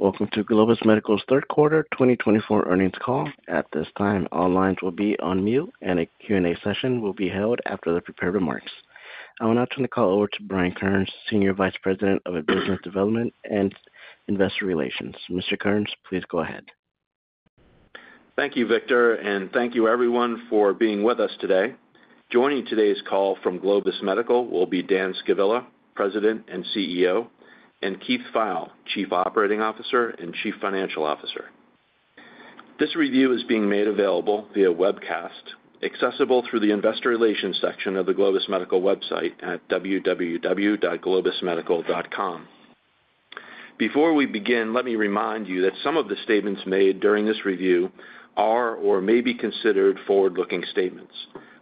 Welcome to Globus Medical's Q3 2024 Earnings Call. At this time, all lines will be on mute, and a Q&A session will be held after the prepared remarks. I will now turn the call over to Brian Kearns, Senior Vice President of Business Development and Investor Relations. Mr. Kearns, please go ahead. Thank you, Victor, and thank you, everyone, for being with us today. Joining today's call from Globus Medical will be Dan Scavilla, President and CEO, and Keith Pfeil, Chief Operating Officer and Chief Financial Officer. This review is being made available via webcast, accessible through the Investor Relations section of the Globus Medical website at www.globusmedical.com. Before we begin, let me remind you that some of the statements made during this review are or may be considered forward-looking statements.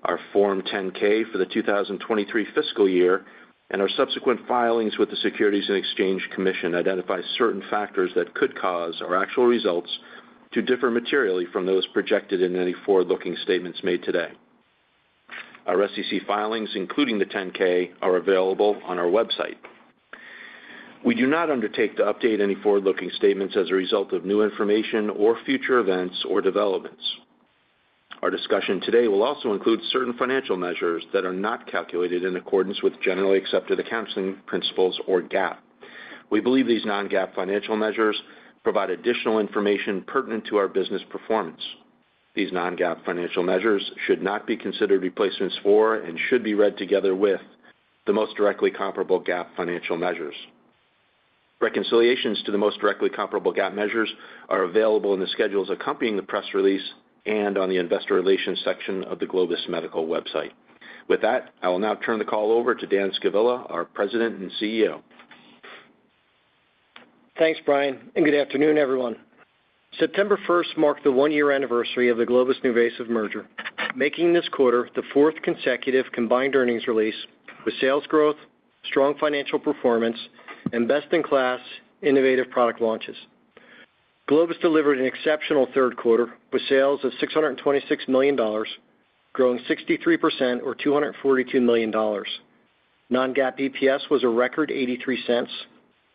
Our Form 10-K for the 2023 fiscal year and our subsequent filings with the Securities and Exchange Commission identify certain factors that could cause our actual results to differ materially from those projected in any forward-looking statements made today. Our SEC filings, including the 10-K, are available on our website. We do not undertake to update any forward-looking statements as a result of new information or future events or developments. Our discussion today will also include certain financial measures that are not calculated in accordance with Generally Accepted Accounting Principles or GAAP. We believe these non-GAAP financial measures provide additional information pertinent to our business performance. These non-GAAP financial measures should not be considered replacements for and should be read together with the most directly comparable GAAP financial measures. Reconciliations to the most directly comparable GAAP measures are available in the schedules accompanying the press release and on the Investor Relations section of the Globus Medical website. With that, I will now turn the call over to Dan Scavilla, our President and CEO. Thanks, Brian, and good afternoon, everyone. 1 September 2024 marked the one-year anniversary of the Globus-NuVasive merger, making this quarter the fourth consecutive combined earnings release with sales growth, strong financial performance, and best-in-class innovative product launches. Globus delivered an exceptional Q3 with sales of $626 million, growing 63% or $242 million. Non-GAAP EPS was a record $0.83,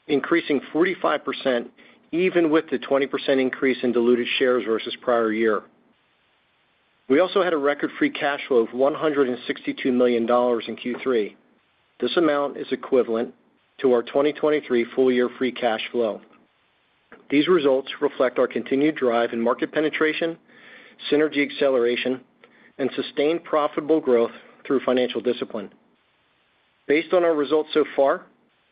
increasing 45% even with the 20% increase in diluted shares versus prior year. We also had a record free cash flow of $162 million in Q3. This amount is equivalent to our 2023 full-year free cash flow. These results reflect our continued drive in market penetration, synergy acceleration, and sustained profitable growth through financial discipline. Based on our results so far,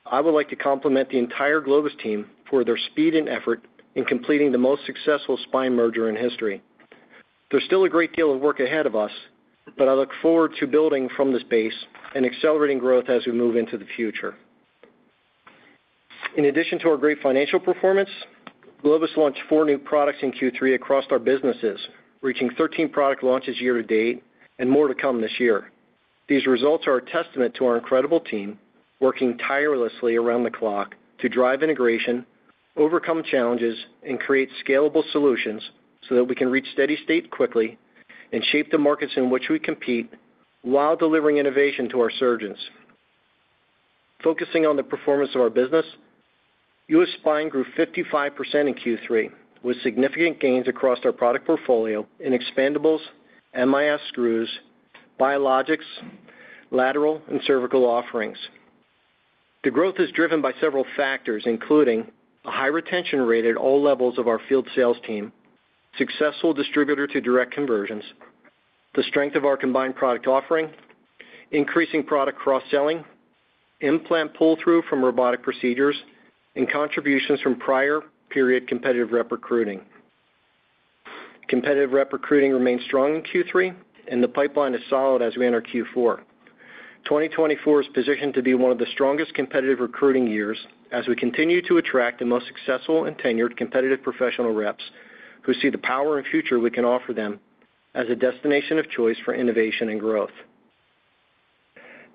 I would like to compliment the entire Globus team for their speed and effort in completing the most successful spine merger in history. There's still a great deal of work ahead of us, but I look forward to building from this base and accelerating growth as we move into the future. In addition to our great financial performance, Globus launched four new products in Q3 across our businesses, reaching 13 product launches year to date and more to come this year. These results are a testament to our incredible team working tirelessly around the clock to drive integration, overcome challenges, and create scalable solutions so that we can reach steady state quickly and shape the markets in which we compete while delivering innovation to our surgeons. Focusing on the performance of our business, U.S. spine grew 55% in Q3 with significant gains across our product portfolio in expandables, MIS screws, biologics, lateral, and cervical offerings. The growth is driven by several factors, including a high retention rate at all levels of our field sales team, successful distributor-to-direct conversions, the strength of our combined product offering, increasing product cross-selling, implant pull-through from robotic procedures, and contributions from prior-period competitive rep recruiting. Competitive rep recruiting remained strong in Q3, and the pipeline is solid as we enter Q4. 2024 is positioned to be one of the strongest competitive recruiting years as we continue to attract the most successful and tenured competitive professional reps who see the power and future we can offer them as a destination of choice for innovation and growth.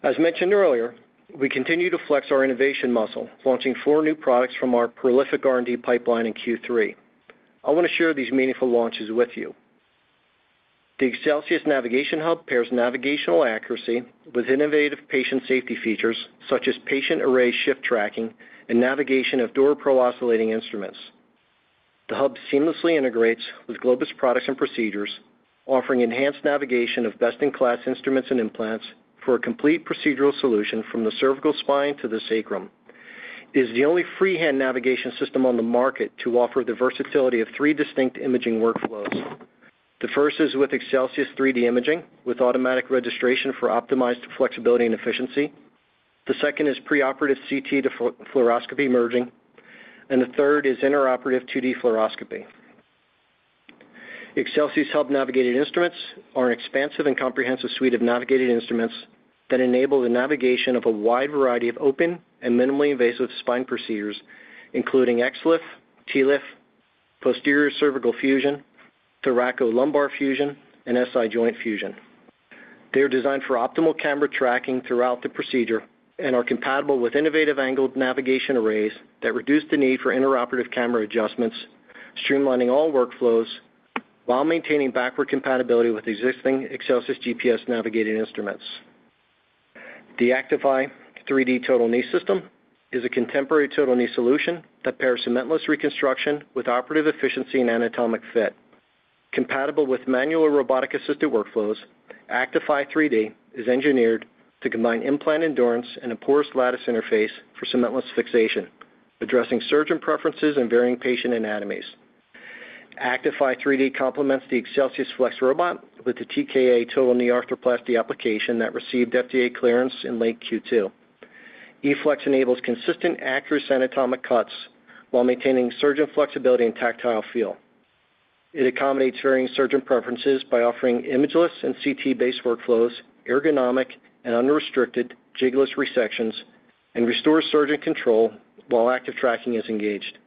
As mentioned earlier, we continue to flex our innovation muscle, launching four new products from our prolific R&D pipeline in Q3. I want to share these meaningful launches with you. The Excelsius Navigation Hub pairs navigational accuracy with innovative patient safety features such as patient array shift tracking and navigation of DuraPro oscillating instruments. The hub seamlessly integrates with Globus products and procedures, offering enhanced navigation of best-in-class instruments and implants for a complete procedural solution from the cervical spine to the sacrum. It is the only freehand navigation system on the market to offer the versatility of three distinct imaging workflows. The first is with Excelsius3D imaging with automatic registration for optimized flexibility and efficiency. The second is preoperative CT fluoroscopy merging, and the third is intraoperative 2D fluoroscopy. ExcelsiusHub Navigated Instruments are an expansive and comprehensive suite of navigated instruments that enable the navigation of a wide variety of open and minimally invasive spine procedures, including XLIF, TLIF, posterior cervical fusion, thoracolumbar fusion, and SI joint fusion. They are designed for optimal camera tracking throughout the procedure and are compatible with innovative angled navigation arrays that reduce the need for intraoperative camera adjustments, streamlining all workflows while maintaining backward compatibility with existing ExcelsiusGPS navigated instruments. The Actify 3D Total Knee System is a contemporary total knee solution that pairs cementless reconstruction with operative efficiency and anatomic fit. Compatible with manual or robotic-assisted workflows, Actify 3D is engineered to combine implant endurance and a porous lattice interface for cementless fixation, addressing surgeon preferences and varying patient anatomies. Actify 3D complements the ExcelsiusFlex robot with the TKA total knee arthroplasty application that received FDA clearance in late Q2. E-Flex enables consistent, accurate anatomic cuts while maintaining surgeon flexibility and tactile feel. It accommodates varying surgeon preferences by offering imageless and CT-based workflows, ergonomic and unrestricted jigless resections, and restores surgeon control while active tracking is engaged.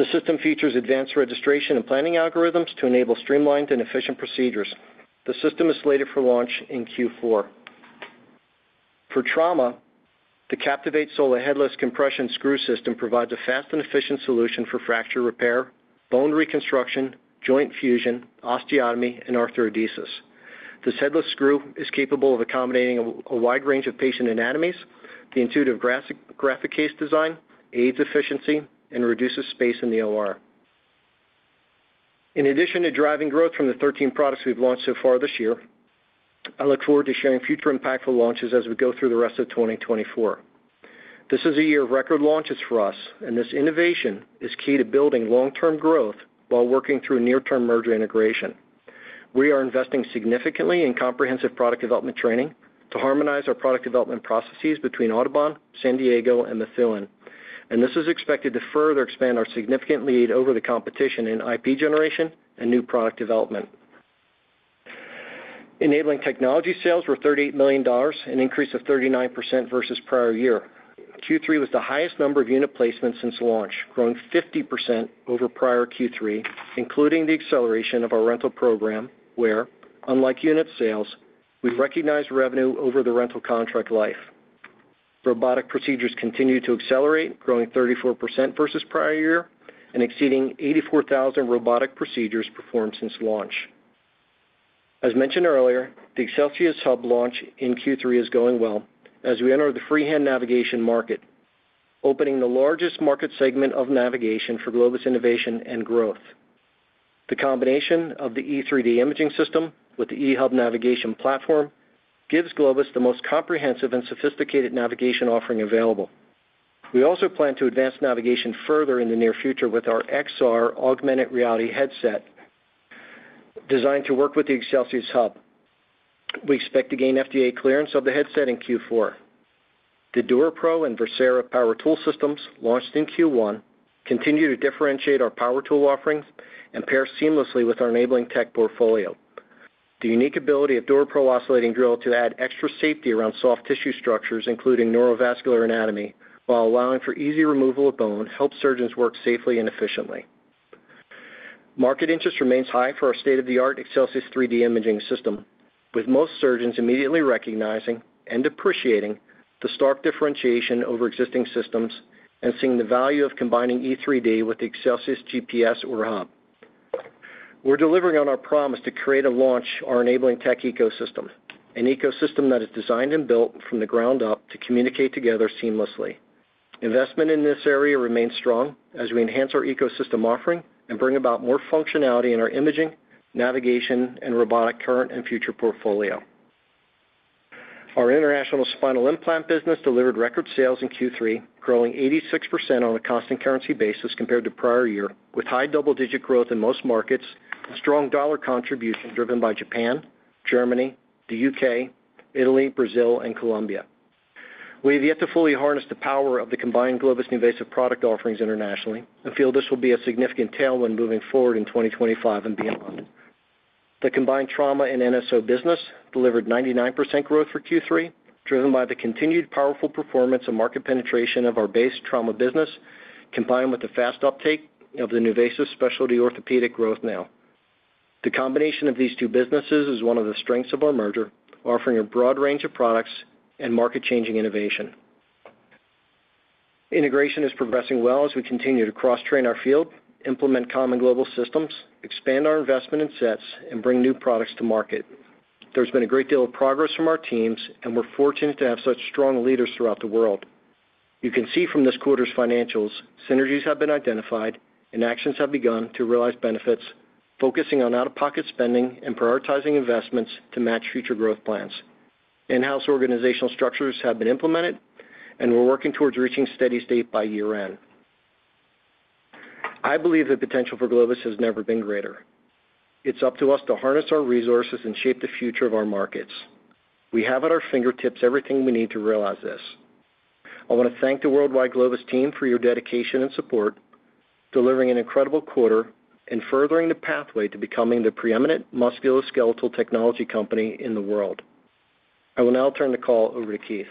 The system features advanced registration and planning algorithms to enable streamlined and efficient procedures. The system is slated for launch in Q4. For trauma, the Captivate SolA headless compression screw system provides a fast and efficient solution for fracture repair, bone reconstruction, joint fusion, osteotomy, and arthrodesis. This headless screw is capable of accommodating a wide range of patient anatomies. The intuitive graphic case design aids efficiency and reduces space in the OR. In addition to driving growth from the 13 products we've launched so far this year, I look forward to sharing future impactful launches as we go through the rest of 2024. This is a year of record launches for us, and this innovation is key to building long-term growth while working through near-term merger integration. We are investing significantly in comprehensive product development training to harmonize our product development processes between Audubon, San Diego, and Methuen, and this is expected to further expand our significant lead over the competition in IP generation and new product development. Enabling technology sales were $38 million, an increase of 39% versus prior year. Q3 was the highest number of unit placements since launch, growing 50% over prior Q3, including the acceleration of our rental program where, unlike unit sales, we recognized revenue over the rental contract life. Robotic procedures continue to accelerate, growing 34% versus prior year and exceeding 84,000 robotic procedures performed since launch. As mentioned earlier, the ExcelsiusHub launch in Q3 is going well as we enter the freehand navigation market, opening the largest market segment of navigation for Globus Innovation and growth. The combination of the E3D imaging system with the E-Hub navigation platform gives Globus the most comprehensive and sophisticated navigation offering available. We also plan to advance navigation further in the near future with our XR augmented reality headset designed to work with the ExcelsiusHub. We expect to gain FDA clearance of the headset in Q4. The DuraPro and Versera power tool systems launched in Q1 continue to differentiate our power tool offerings and pair seamlessly with our enabling tech portfolio. The unique ability of DuraPro oscillating drill to add extra safety around soft tissue structures, including neurovascular anatomy, while allowing for easy removal of bone, helps surgeons work safely and efficiently. Market interest remains high for our state-of-the-art Excelsius3D imaging system, with most surgeons immediately recognizing and appreciating the stark differentiation over existing systems and seeing the value of combining E3D with the Excelsius GPS or hub. We're delivering on our promise to create and launch our enabling tech ecosystem, an ecosystem that is designed and built from the ground up to communicate together seamlessly. Investment in this area remains strong as we enhance our ecosystem offering and bring about more functionality in our imaging, navigation, and robotics current and future portfolio. Our international spinal implant business delivered record sales in Q3, growing 86% on a constant currency basis compared to prior year, with high double-digit growth in most markets and strong dollar contribution driven by Japan, Germany, the U.K., Italy, Brazil, and Colombia. We have yet to fully harness the power of the combined Globus-NuVasive product offerings internationally and feel this will be a significant tailwind moving forward in 2025 and beyond. The combined trauma and NSO business delivered 99% growth for Q3, driven by the continued powerful performance of market penetration of our base trauma business, combined with the fast uptake of the NuVasive Specialty Orthopedic growth now. The combination of these two businesses is one of the strengths of our merger, offering a broad range of products and market-changing innovation. Integration is progressing well as we continue to cross-train our field, implement common global systems, expand our investment in sets, and bring new products to market. There's been a great deal of progress from our teams, and we're fortunate to have such strong leaders throughout the world. You can see from this quarter's financials, synergies have been identified, and actions have begun to realize benefits, focusing on out-of-pocket spending and prioritizing investments to match future growth plans. In-house organizational structures have been implemented, and we're working towards reaching steady state by year-end. I believe the potential for Globus has never been greater. It's up to us to harness our resources and shape the future of our markets. We have at our fingertips everything we need to realize this. I want to thank the worldwide Globus team for your dedication and support, delivering an incredible quarter and furthering the pathway to becoming the preeminent musculoskeletal technology company in the world. I will now turn the call over to Keith.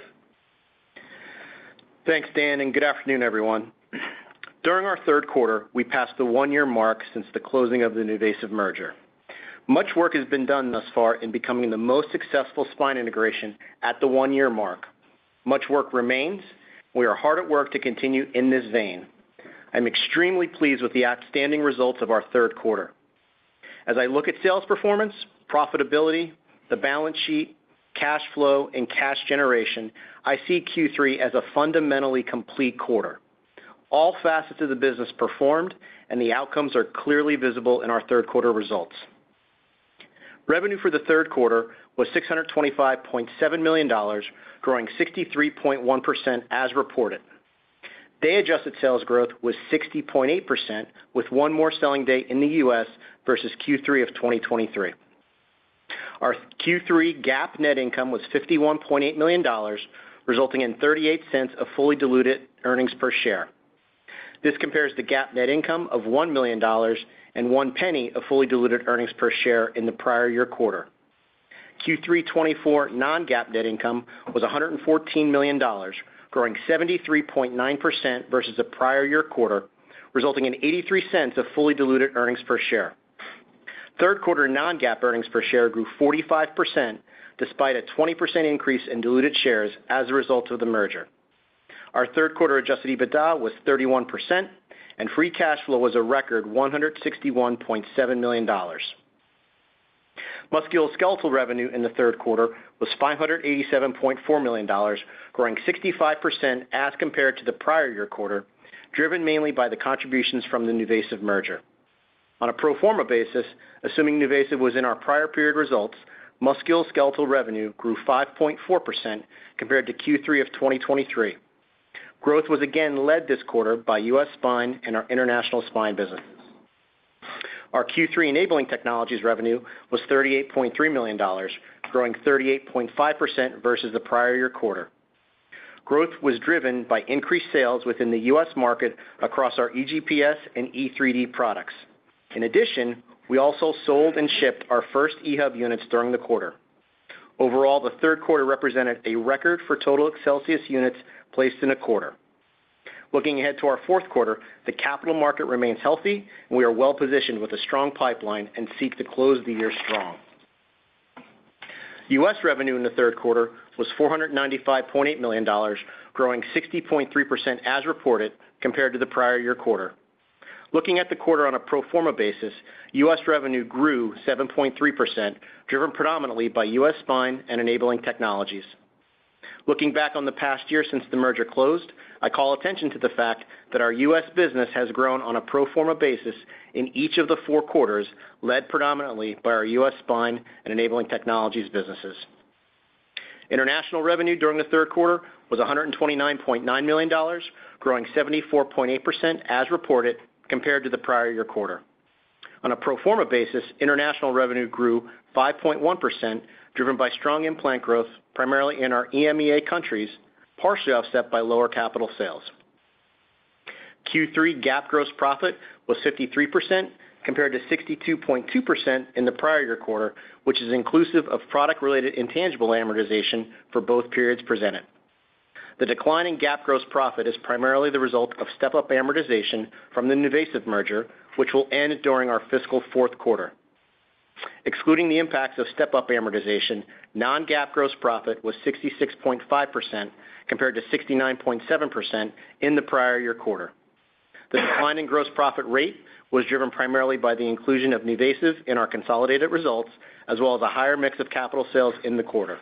Thanks, Dan, and good afternoon, everyone. During our Q3, we passed the one-year mark since the closing of the NuVasive merger. Much work has been done thus far in becoming the most successful spine integration at the one-year mark. Much work remains. We are hard at work to continue in this vein. I'm extremely pleased with the outstanding results of our Q3. As I look at sales performance, profitability, the balance sheet, cash flow, and cash generation, I see Q3 as a fundamentally complete quarter. All facets of the business performed, and the outcomes are clearly visible in our Q3 results. Revenue for the Q3 was $625.7 million, growing 63.1% as reported. Day-adjusted sales growth was 60.8% with one more selling day in the U.S. versus Q3 of 2023. Our Q3 GAAP net income was $51.8 million, resulting in $0.38 of fully diluted earnings per share. This compares the GAAP net income of $1 million and $0.01 of fully diluted earnings per share in the prior year quarter. Q3 2024 non-GAAP net income was $114 million, growing 73.9% versus the prior year quarter, resulting in $0.83 of fully diluted earnings per share. Q3 non-GAAP earnings per share grew 45% despite a 20% increase in diluted shares as a result of the merger. Our Q3 Adjusted EBITDA was 31%, and free cash flow was a record $161.7 million. Musculoskeletal revenue in the Q3 was $587.4 million, growing 65% as compared to the prior year quarter, driven mainly by the contributions from the NuVasive merger. On a pro forma basis, assuming NuVasive was in our prior period results, musculoskeletal revenue grew 5.4% compared to Q3 of 2023. Growth was again led this quarter by U.S. spine and our international spine businesses. Our Q3 enabling technologies revenue was $38.3 million, growing 38.5% versus the prior year quarter. Growth was driven by increased sales within the U.S. market across our EGPS and E3D products. In addition, we also sold and shipped our first E-Hub units during the quarter. Overall, the Q3 represented a record for total Excelsius units placed in a quarter. Looking ahead to our Q4, the capital market remains healthy, and we are well positioned with a strong pipeline and seek to close the year strong. U.S. revenue in the Q3 was $495.8 million, growing 60.3% as reported compared to the prior year quarter. Looking at the quarter on a pro forma basis, U.S. revenue grew 7.3%, driven predominantly by U.S. spine and enabling technologies. Looking back on the past year since the merger closed, I call attention to the fact that our U.S. business has grown on a pro forma basis in each of the four quarters, led predominantly by our U.S. spine and enabling technologies businesses. International revenue during the Q3 was $129.9 million, growing 74.8% as reported compared to the prior year quarter. On a pro forma basis, international revenue grew 5.1%, driven by strong implant growth, primarily in our EMEA countries, partially offset by lower capital sales. Q3 GAAP gross profit was 53% compared to 62.2% in the prior year quarter, which is inclusive of product-related intangible amortization for both periods presented. The declining GAAP gross profit is primarily the result of step-up amortization from the NuVasive merger, which will end during our fiscal Q4. Excluding the impacts of step-up amortization, non-GAAP gross profit was 66.5% compared to 69.7% in the prior year quarter. The declining gross profit rate was driven primarily by the inclusion of NuVasive in our consolidated results, as well as a higher mix of capital sales in the quarter.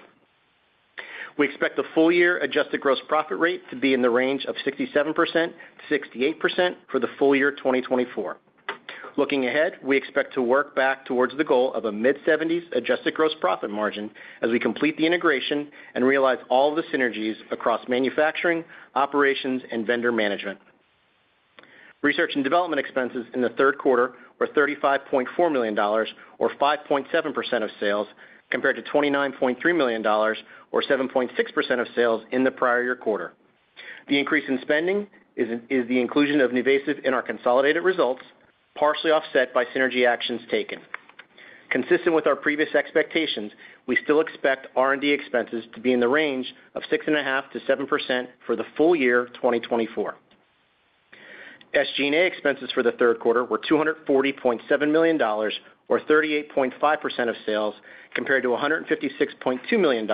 We expect the full-year adjusted gross profit rate to be in the range of 67%-68% for the full year 2024. Looking ahead, we expect to work back towards the goal of a mid-70s adjusted gross profit margin as we complete the integration and realize all of the synergies across manufacturing, operations, and vendor management. Research and Development expenses in the Q3 were $35.4 million, or 5.7% of sales, compared to $29.3 million, or 7.6% of sales in the prior year quarter. The increase in spending is the inclusion of NuVasive in our consolidated results, partially offset by synergy actions taken. Consistent with our previous expectations, we still expect R&D expenses to be in the range of 6.5%-7% for the full year 2024. SG&A expenses for the Q3 were $240.7 million, or 38.5% of sales, compared to $156.2 million,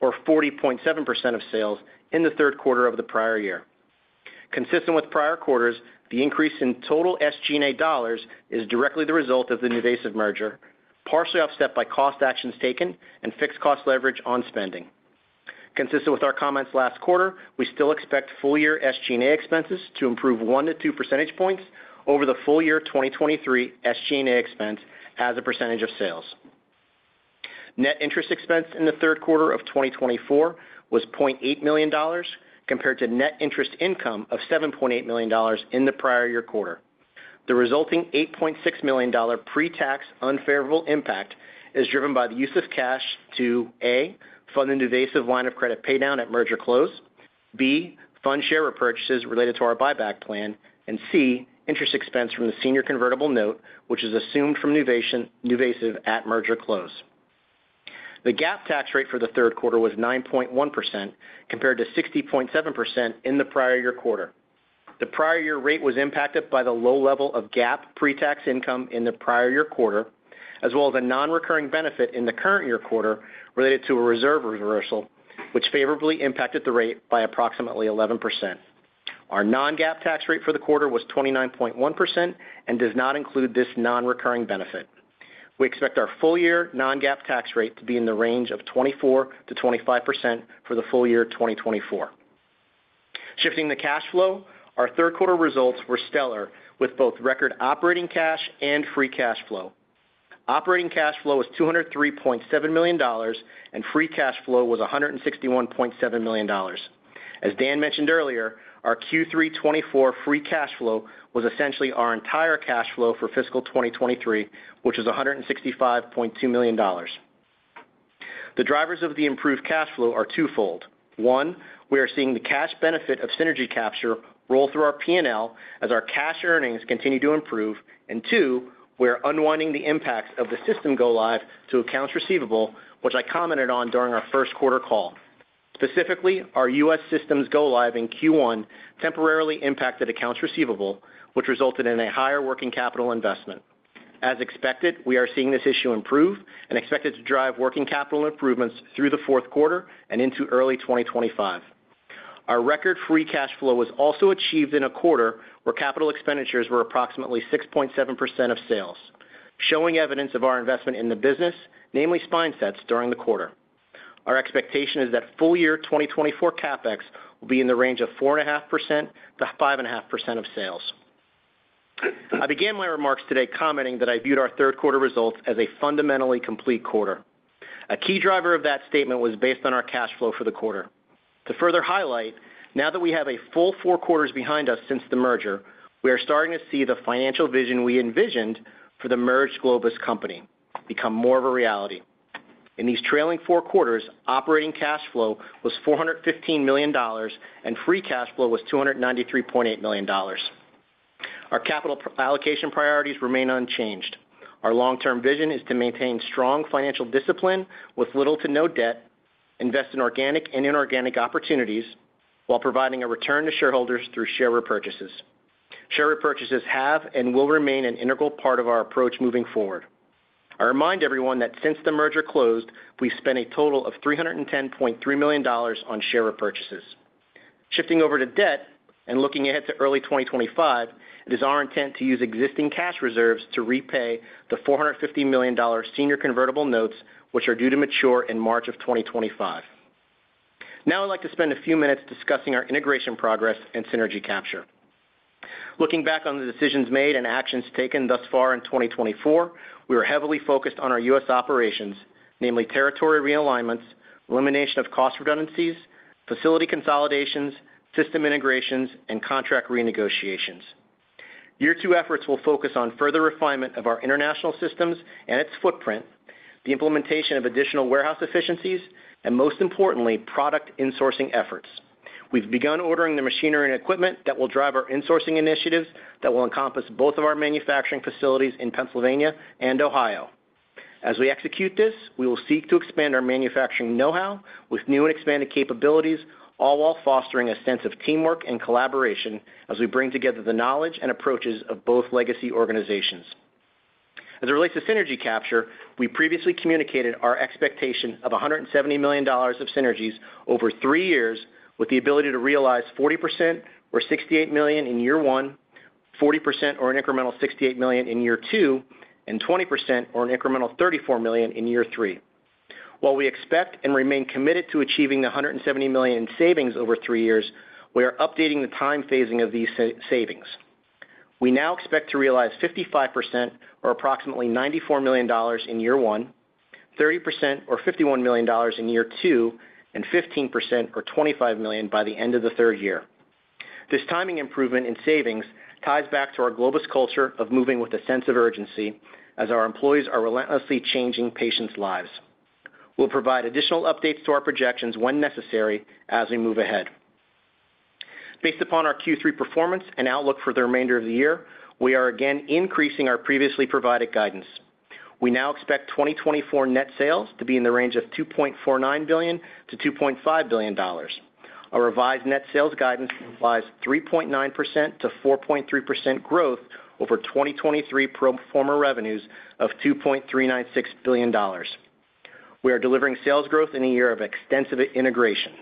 or 40.7% of sales in the Q3 of the prior year. Consistent with prior quarters, the increase in total SG&A dollars is directly the result of the NuVasive merger, partially offset by cost actions taken and fixed cost leverage on spending. Consistent with our comments last quarter, we still expect full-year SG&A expenses to improve one to two percentage points over the full year 2023 SG&A expense as a percentage of sales. Net interest expense in the Q3 of 2024 was $0.8 million, compared to net interest income of $7.8 million in the prior year quarter. The resulting $8.6 million pre-tax unfavorable impact is driven by the use of cash to: A, fund the NuVasive line of credit paydown at merger close; B, fund share repurchases related to our buyback plan; and C, interest expense from the senior convertible note, which is assumed from NuVasive at merger close. The GAAP tax rate for the Q3 was 9.1%, compared to 60.7% in the prior year quarter. The prior year rate was impacted by the low level of GAAP pre-tax income in the prior year quarter, as well as a non-recurring benefit in the current year quarter related to a reserve reversal, which favorably impacted the rate by approximately 11%. Our non-GAAP tax rate for the quarter was 29.1% and does not include this non-recurring benefit. We expect our full-year non-GAAP tax rate to be in the range of 24%-25% for the full year 2024. Shifting the cash flow, our Q3 results were stellar with both record operating cash and free cash flow. Operating cash flow was $203.7 million, and free cash flow was $161.7 million. As Dan mentioned earlier, our Q324 free cash flow was essentially our entire cash flow for fiscal 2023, which was $165.2 million. The drivers of the improved cash flow are twofold. One, we are seeing the cash benefit of synergy capture roll through our P&L as our cash earnings continue to improve. And two, we are unwinding the impacts of the system go-live to accounts receivable, which I commented on during our Q1 call. Specifically, our U.S. systems go-live in Q1 temporarily impacted accounts receivable, which resulted in a higher working capital investment. As expected, we are seeing this issue improve and expected to drive working capital improvements through the Q4 and into early 2025. Our record free cash flow was also achieved in a quarter where capital expenditures were approximately 6.7% of sales, showing evidence of our investment in the business, namely spine sets, during the quarter. Our expectation is that full-year 2024 CapEx will be in the range of 4.5%-5.5% of sales. I began my remarks today commenting that I viewed our Q3 results as a fundamentally complete quarter. A key driver of that statement was based on our cash flow for the quarter. To further highlight, now that we have a full four quarters behind us since the merger, we are starting to see the financial vision we envisioned for the merged Globus company become more of a reality. In these trailing four quarters, operating cash flow was $415 million, and free cash flow was $293.8 million. Our capital allocation priorities remain unchanged. Our long-term vision is to maintain strong financial discipline with little to no debt, invest in organic and inorganic opportunities, while providing a return to shareholders through share repurchases. Share repurchases have and will remain an integral part of our approach moving forward. I remind everyone that since the merger closed, we've spent a total of $310.3 million on share repurchases. Shifting over to debt and looking ahead to early 2025, it is our intent to use existing cash reserves to repay the $450 million senior convertible notes, which are due to mature in March of 2025. Now I'd like to spend a few minutes discussing our integration progress and synergy capture. Looking back on the decisions made and actions taken thus far in 2024, we were heavily focused on our U.S. operations, namely territory realignments, elimination of cost redundancies, facility consolidations, system integrations, and contract renegotiations. Year two efforts will focus on further refinement of our international systems and its footprint, the implementation of additional warehouse efficiencies, and most importantly, product insourcing efforts. We've begun ordering the machinery and equipment that will drive our insourcing initiatives that will encompass both of our manufacturing facilities in Pennsylvania and Ohio. As we execute this, we will seek to expand our manufacturing know-how with new and expanded capabilities, all while fostering a sense of teamwork and collaboration as we bring together the knowledge and approaches of both legacy organizations. As it relates to synergy capture, we previously communicated our expectation of $170 million of synergies over three years, with the ability to realize 40% or $68 million in year one, 40% or an incremental $68 million in year two, and 20% or an incremental $34 million in year three. While we expect and remain committed to achieving the $170 million in savings over three years, we are updating the time phasing of these savings. We now expect to realize 55% or approximately $94 million in year one, 30% or $51 million in year two, and 15% or $25 million by the end of the third year. This timing improvement in savings ties back to our Globus culture of moving with a sense of urgency as our employees are relentlessly changing patients' lives. We'll provide additional updates to our projections when necessary as we move ahead. Based upon our Q3 performance and outlook for the remainder of the year, we are again increasing our previously provided guidance. We now expect 2024 net sales to be in the range of $2.49 billion-$2.5 billion. Our revised net sales guidance implies 3.9%-4.3% growth over 2023 pro forma revenues of $2.396 billion. We are delivering sales growth in a year of extensive integration.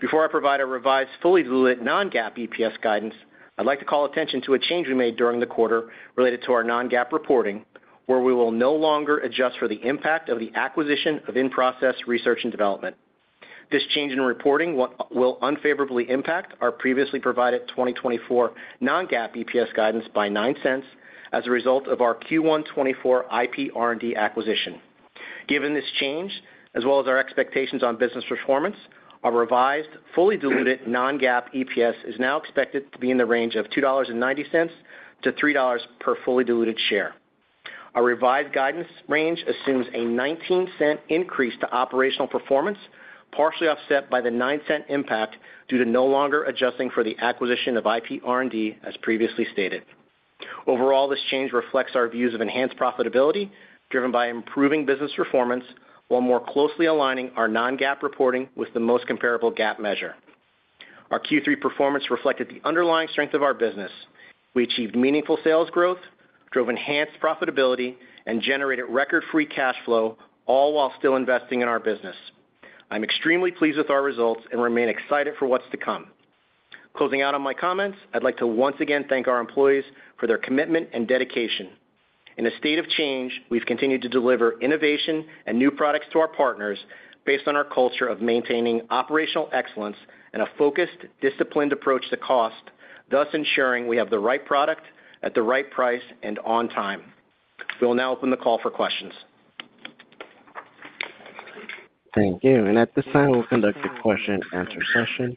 Before I provide a revised fully diluted non-GAAP EPS guidance, I'd like to call attention to a change we made during the quarter related to our non-GAAP reporting, where we will no longer adjust for the impact of the acquisition of in-process research and development. This change in reporting will unfavorably impact our previously provided 2024 non-GAAP EPS guidance by $0.09 as a result of our Q124 IP R&D acquisition. Given this change, as well as our expectations on business performance, our revised fully diluted non-GAAP EPS is now expected to be in the range of $2.90-$3 per fully diluted share. Our revised guidance range assumes a $0.19 increase to operational performance, partially offset by the $0.09 impact due to no longer adjusting for the acquisition of IP R&D, as previously stated. Overall, this change reflects our views of enhanced profitability driven by improving business performance while more closely aligning our non-GAAP reporting with the most comparable GAAP measure. Our Q3 performance reflected the underlying strength of our business. We achieved meaningful sales growth, drove enhanced profitability, and generated record free cash flow, all while still investing in our business. I'm extremely pleased with our results and remain excited for what's to come. Closing out on my comments, I'd like to once again thank our employees for their commitment and dedication. In a state of change, we've continued to deliver innovation and new products to our partners based on our culture of maintaining operational excellence and a focused, disciplined approach to cost, thus ensuring we have the right product at the right price and on time. We will now open the call for questions. Thank you. At this time, we'll conduct a question-and-answer session.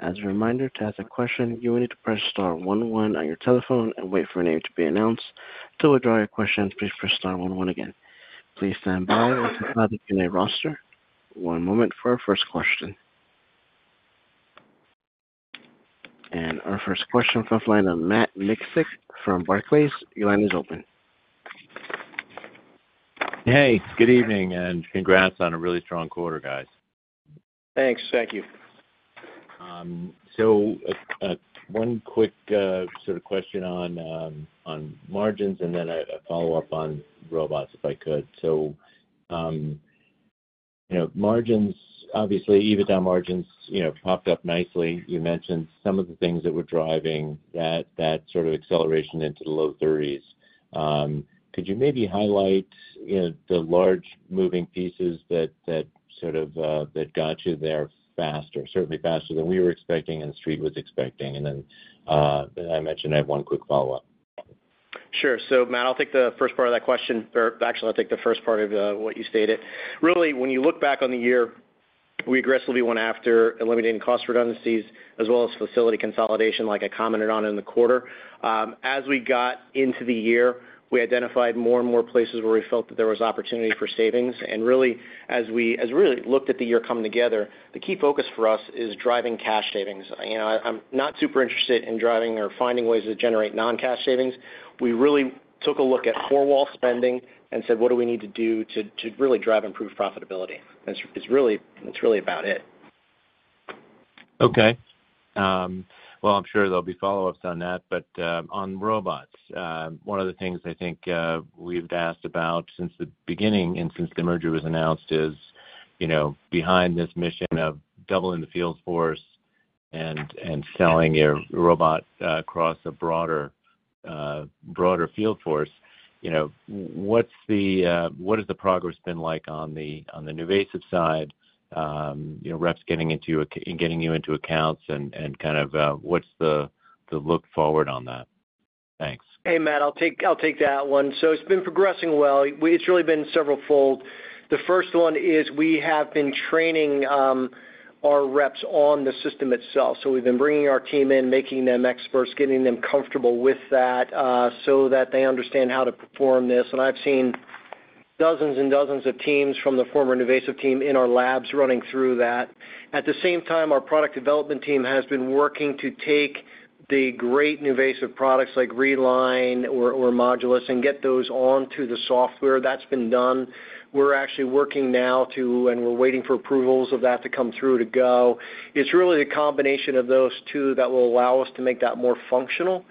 As a reminder, to ask a question, you will need to press star one one on your telephone and wait for your name to be announced. Until we draw your question, please press star one one again. One moment for our first question. Our first question from the line of Matt Miksic from Barclays. Your line is open. Hey, good evening and congrats on a really strong quarter guys. Thanks. Thank you. So one quick sort of question on margins and then a follow-up on robots, if I could. So margins, obviously, EBITDA margins popped up nicely. You mentioned some of the things that were driving that sort of acceleration into the low 30s. Could you maybe highlight the large moving pieces that sort of got you there faster, certainly faster than we were expecting and the street was expecting? And then I mentioned I have one quick follow-up. Sure. So Matt, I'll take the first part of that question. Actually, I'll take the first part of what you stated. Really, when you look back on the year, we aggressively went after eliminating cost redundancies as well as facility consolidation, like I commented on in the quarter. As we got into the year, we identified more and more places where we felt that there was opportunity for savings. And really, as we really looked at the year coming together, the key focus for us is driving cash savings. I'm not super interested in driving or finding ways to generate non-cash savings. We really took a look at four-wall spending and said, "What do we need to do to really drive improved profitability?" It's really about it. Okay. Well, I'm sure there'll be follow-ups on that. But on robots, one of the things I think we've asked about since the beginning and since the merger was announced is behind this mission of doubling the field force and selling your robot across a broader field force. What has the progress been like on the NuVasive side, reps getting you into accounts, and kind of what's the look forward on that? Thanks. Hey, Matt, I'll take that one. So it's been progressing well. It's really been several-fold. The first one is we have been training our reps on the system itself. So we've been bringing our team in, making them experts, getting them comfortable with that so that they understand how to perform this. And I've seen dozens and dozens of teams from the former NuVasive team in our labs running through that. At the same time, our product development team has been working to take the great NuVasive products like Reline or Modulus and get those onto the software. That's been done. We're actually working now to, and we're waiting for approvals of that to come through to go. It's really a combination of those two that will allow us to make that more functional.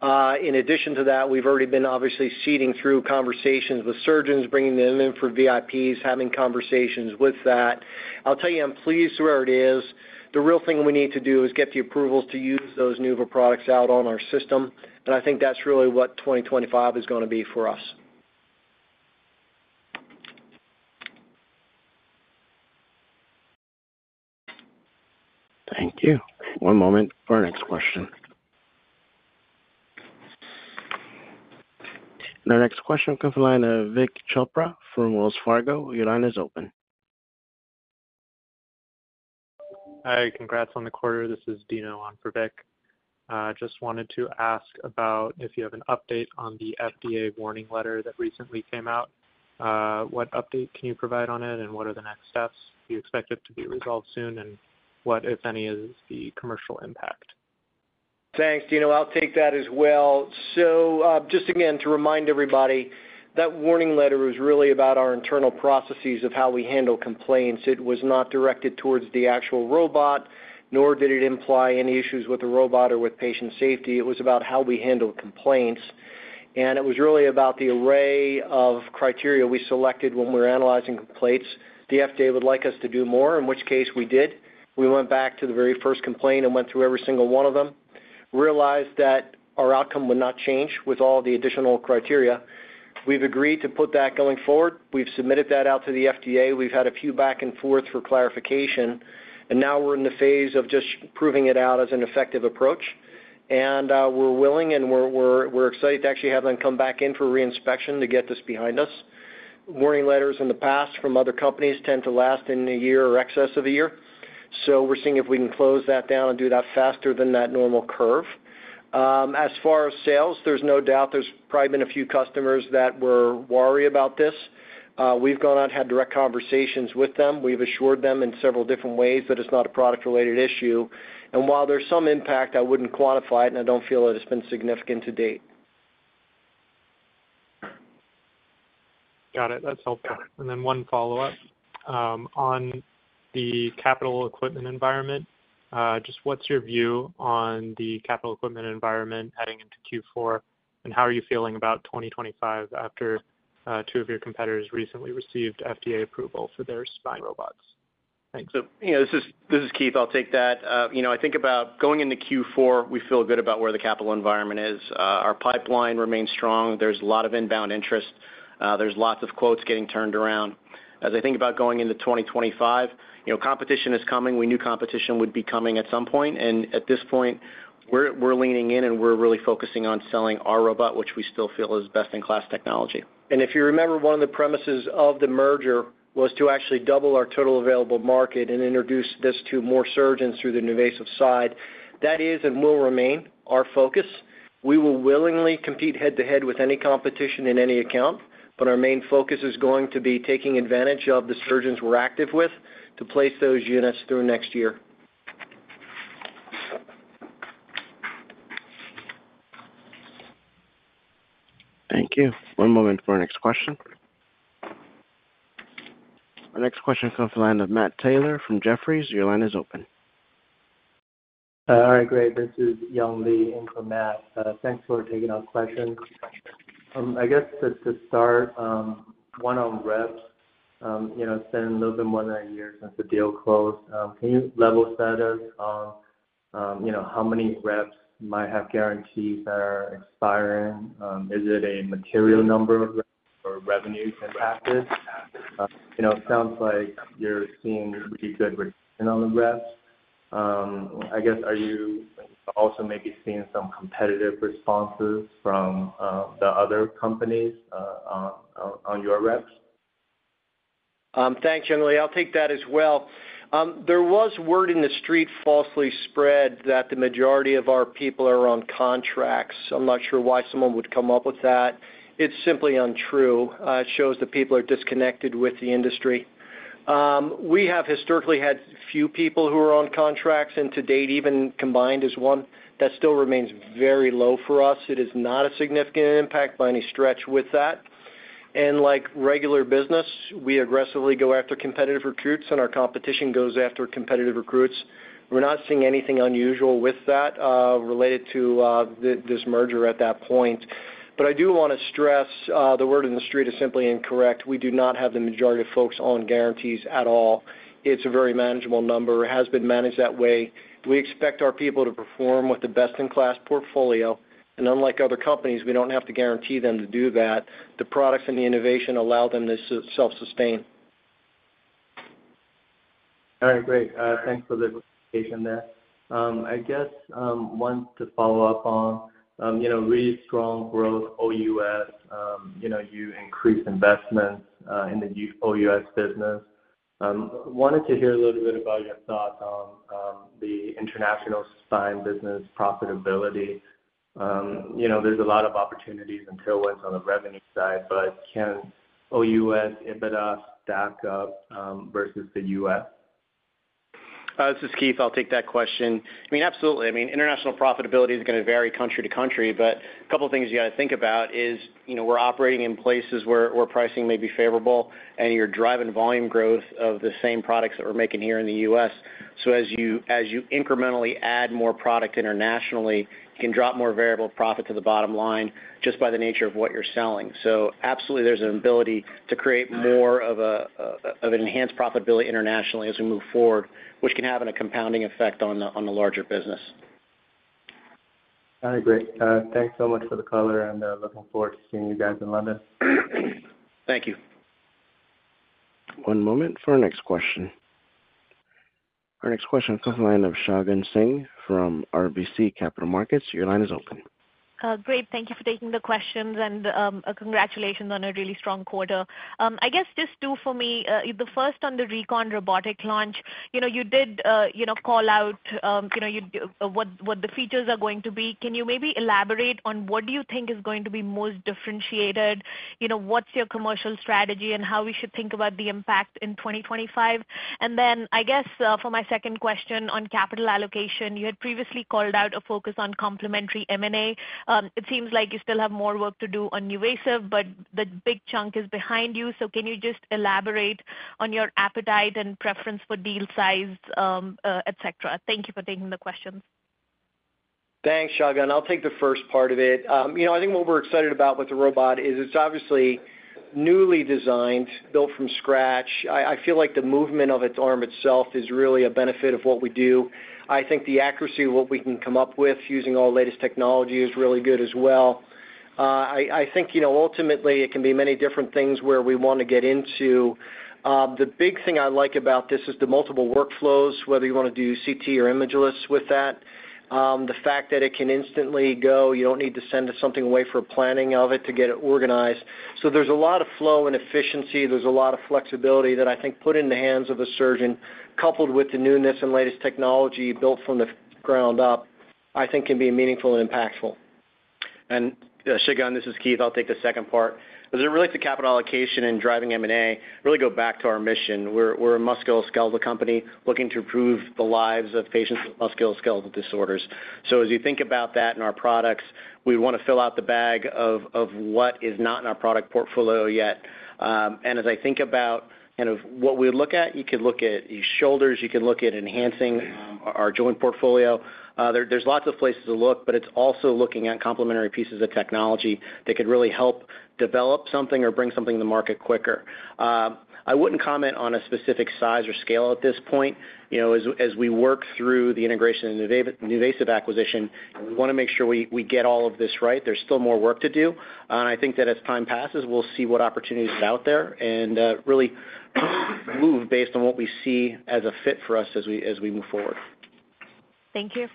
In addition to that, we've already been obviously seeding through conversations with surgeons, bringing them in for VIPs, having conversations with that. I'll tell you, I'm pleased where it is. The real thing we need to do is get the approvals to use those NuVasive products out on our system. And I think that's really what 2025 is going to be for us. Thank you. One moment for our next question. And our next question comes from the line of Vik Chopra from Wells Fargo. Your line is open. Hi. Congrats on the quarter. This is Dino on for Vik. Just wanted to ask about if you have an update on the FDA warning letter that recently came out. What update can you provide on it, and what are the next steps? Do you expect it to be resolved soon, and what, if any, is the commercial impact? Thanks. Dino, I'll take that as well, so just again, to remind everybody, that warning letter was really about our internal processes of how we handle complaints. It was not directed towards the actual robot, nor did it imply any issues with the robot or with patient safety. It was about how we handle complaints. It was really about the array of criteria we selected when we were analyzing complaints. The FDA would like us to do more, in which case we did. We went back to the very first complaint and went through every single one of them, realized that our outcome would not change with all the additional criteria. We've agreed to put that going forward. We've submitted that out to the FDA. We've had a few back and forth for clarification. Now we're in the phase of just proving it out as an effective approach. We're willing, and we're excited to actually have them come back in for reinspection to get this behind us. Warning letters in the past from other companies tend to last a year or in excess of a year. So we're seeing if we can close that down and do that faster than that normal curve. As far as sales, there's no doubt there's probably been a few customers that were worried about this. We've gone out and had direct conversations with them. We've assured them in several different ways that it's not a product-related issue. And while there's some impact, I wouldn't quantify it, and I don't feel that it's been significant to date. Got it. That's helpful, and then one follow-up. On the capital equipment environment, just what's your view on the capital equipment environment heading into Q4, and how are you feeling about 2025 after two of your competitors recently received FDA approval for their spine robots? Thanks. This is Keith, I'll take that. I think about going into Q4, we feel good about where the capital environment is. Our pipeline remains strong. There's a lot of inbound interest. There's lots of quotes getting turned around. As I think about going into 2025, competition is coming. We knew competition would be coming at some point, and at this point, we're leaning in, and we're really focusing on selling our robot, which we still feel is best-in-class technology. And if you remember, one of the premises of the merger was to actually double our total available market and introduce this to more surgeons through the NuVasive side. That is and will remain our focus. We will willingly compete head-to-head with any competition in any account, but our main focus is going to be taking advantage of the surgeons we're active with to place those units through next year. Thank you. One moment for our next question. Our next question comes from the line of Matt Taylor from Jefferies. Your line is open. Hi. Great. This is Young Li in for Matt. Thanks for taking our questions. I guess to start, one on reps, it's been a little bit more than a year since the deal closed. Can you level set us on how many reps might have guarantees that are expiring? Is it a material number of reps or revenues impacted? It sounds like you're seeing really good return on the reps. I guess, are you also maybe seeing some competitive responses from the other companies on your reps? Thanks, Young Li. I'll take that as well. There was word on the street falsely spread that the majority of our people are on contracts. I'm not sure why someone would come up with that. It's simply untrue. It shows that people are disconnected with the industry. We have historically had few people who are on contracts, and to date, even combined, is one. That still remains very low for us. It is not a significant impact by any stretch with that, and like regular business, we aggressively go after competitive recruits, and our competition goes after competitive recruits. We're not seeing anything unusual with that related to this merger at that point, but I do want to stress the word in the street is simply incorrect. We do not have the majority of folks on guarantees at all. It's a very manageable number. It has been managed that way. We expect our people to perform with the best-in-class portfolio, and unlike other companies, we don't have to guarantee them to do that. The products and the innovation allow them to self-sustain. All right. Great. Thanks for the clarification there. I guess one to follow-up on, really strong growth OUS. You increased investments in the OUS business. Wanted to hear a little bit about your thoughts on the international spine business profitability. There's a lot of opportunities and tailwinds on the revenue side, but can OUS EBITDA stack up versus the U.S.? This is Keith. I'll take that question. I mean, absolutely. I mean, international profitability is going to vary country to country, but a couple of things you got to think about is we're operating in places where pricing may be favorable, and you're driving volume growth of the same products that we're making here in the U.S. So as you incrementally add more product internationally, you can drop more variable profit to the bottom line just by the nature of what you're selling. So absolutely, there's an ability to create more of an enhanced profitability internationally as we move forward, which can have a compounding effect on the larger business. All right. Great. Thanks so much for the color, and looking forward to seeing you guys in London. Thank you. One moment for our next question. Our next question comes from the line of Shagun Singh from RBC Capital Markets. Your line is open. Great. Thank you for taking the questions and congratulations on a really strong quarter. I guess just two for me. The first on the recon robotic launch, you did call out what the features are going to be. Can you maybe elaborate on what do you think is going to be most differentiated? What's your commercial strategy and how we should think about the impact in 2025? And then I guess for my second question on capital allocation, you had previously called out a focus on complementary M&A. It seems like you still have more work to do on NuVasive, but the big chunk is behind you. Can you just elaborate on your appetite and preference for deal size, et cetera? Thank you for taking the questions. Thanks, Shagun. I'll take the first part of it. I think what we're excited about with the robot is it's obviously newly designed, built from scratch. I feel like the movement of its arm itself is really a benefit of what we do. I think the accuracy of what we can come up with using all the latest technology is really good as well. I think ultimately, it can be many different things where we want to get into. The big thing I like about this is the multiple workflows, whether you want to do CT or imageless with that. The fact that it can instantly go, you don't need to send something away for planning of it to get it organized. So there's a lot of flow and efficiency. There's a lot of flexibility that I think put in the hands of a surgeon, coupled with the newness and latest technology built from the ground up, I think can be meaningful and impactful. And Shagun, this is Keith. I'll take the second part. As it relates to capital allocation and driving M&A, really go back to our mission. We're a musculoskeletal company looking to improve the lives of patients with musculoskeletal disorders. So as you think about that and our products, we want to fill out the bag of what is not in our product portfolio yet. And as I think about kind of what we would look at, you could look at your shoulders. You could look at enhancing our joint portfolio. There's lots of places to look, but it's also looking at complementary pieces of technology that could really help develop something or bring something to the market quicker. I wouldn't comment on a specific size or scale at this point. As we work through the integration and NuVasive acquisition, we want to make sure we get all of this right. There's still more work to do, and I think that as time passes, we'll see what opportunities are out there and really move based on what we see as a fit for us as we move forward. Thank you.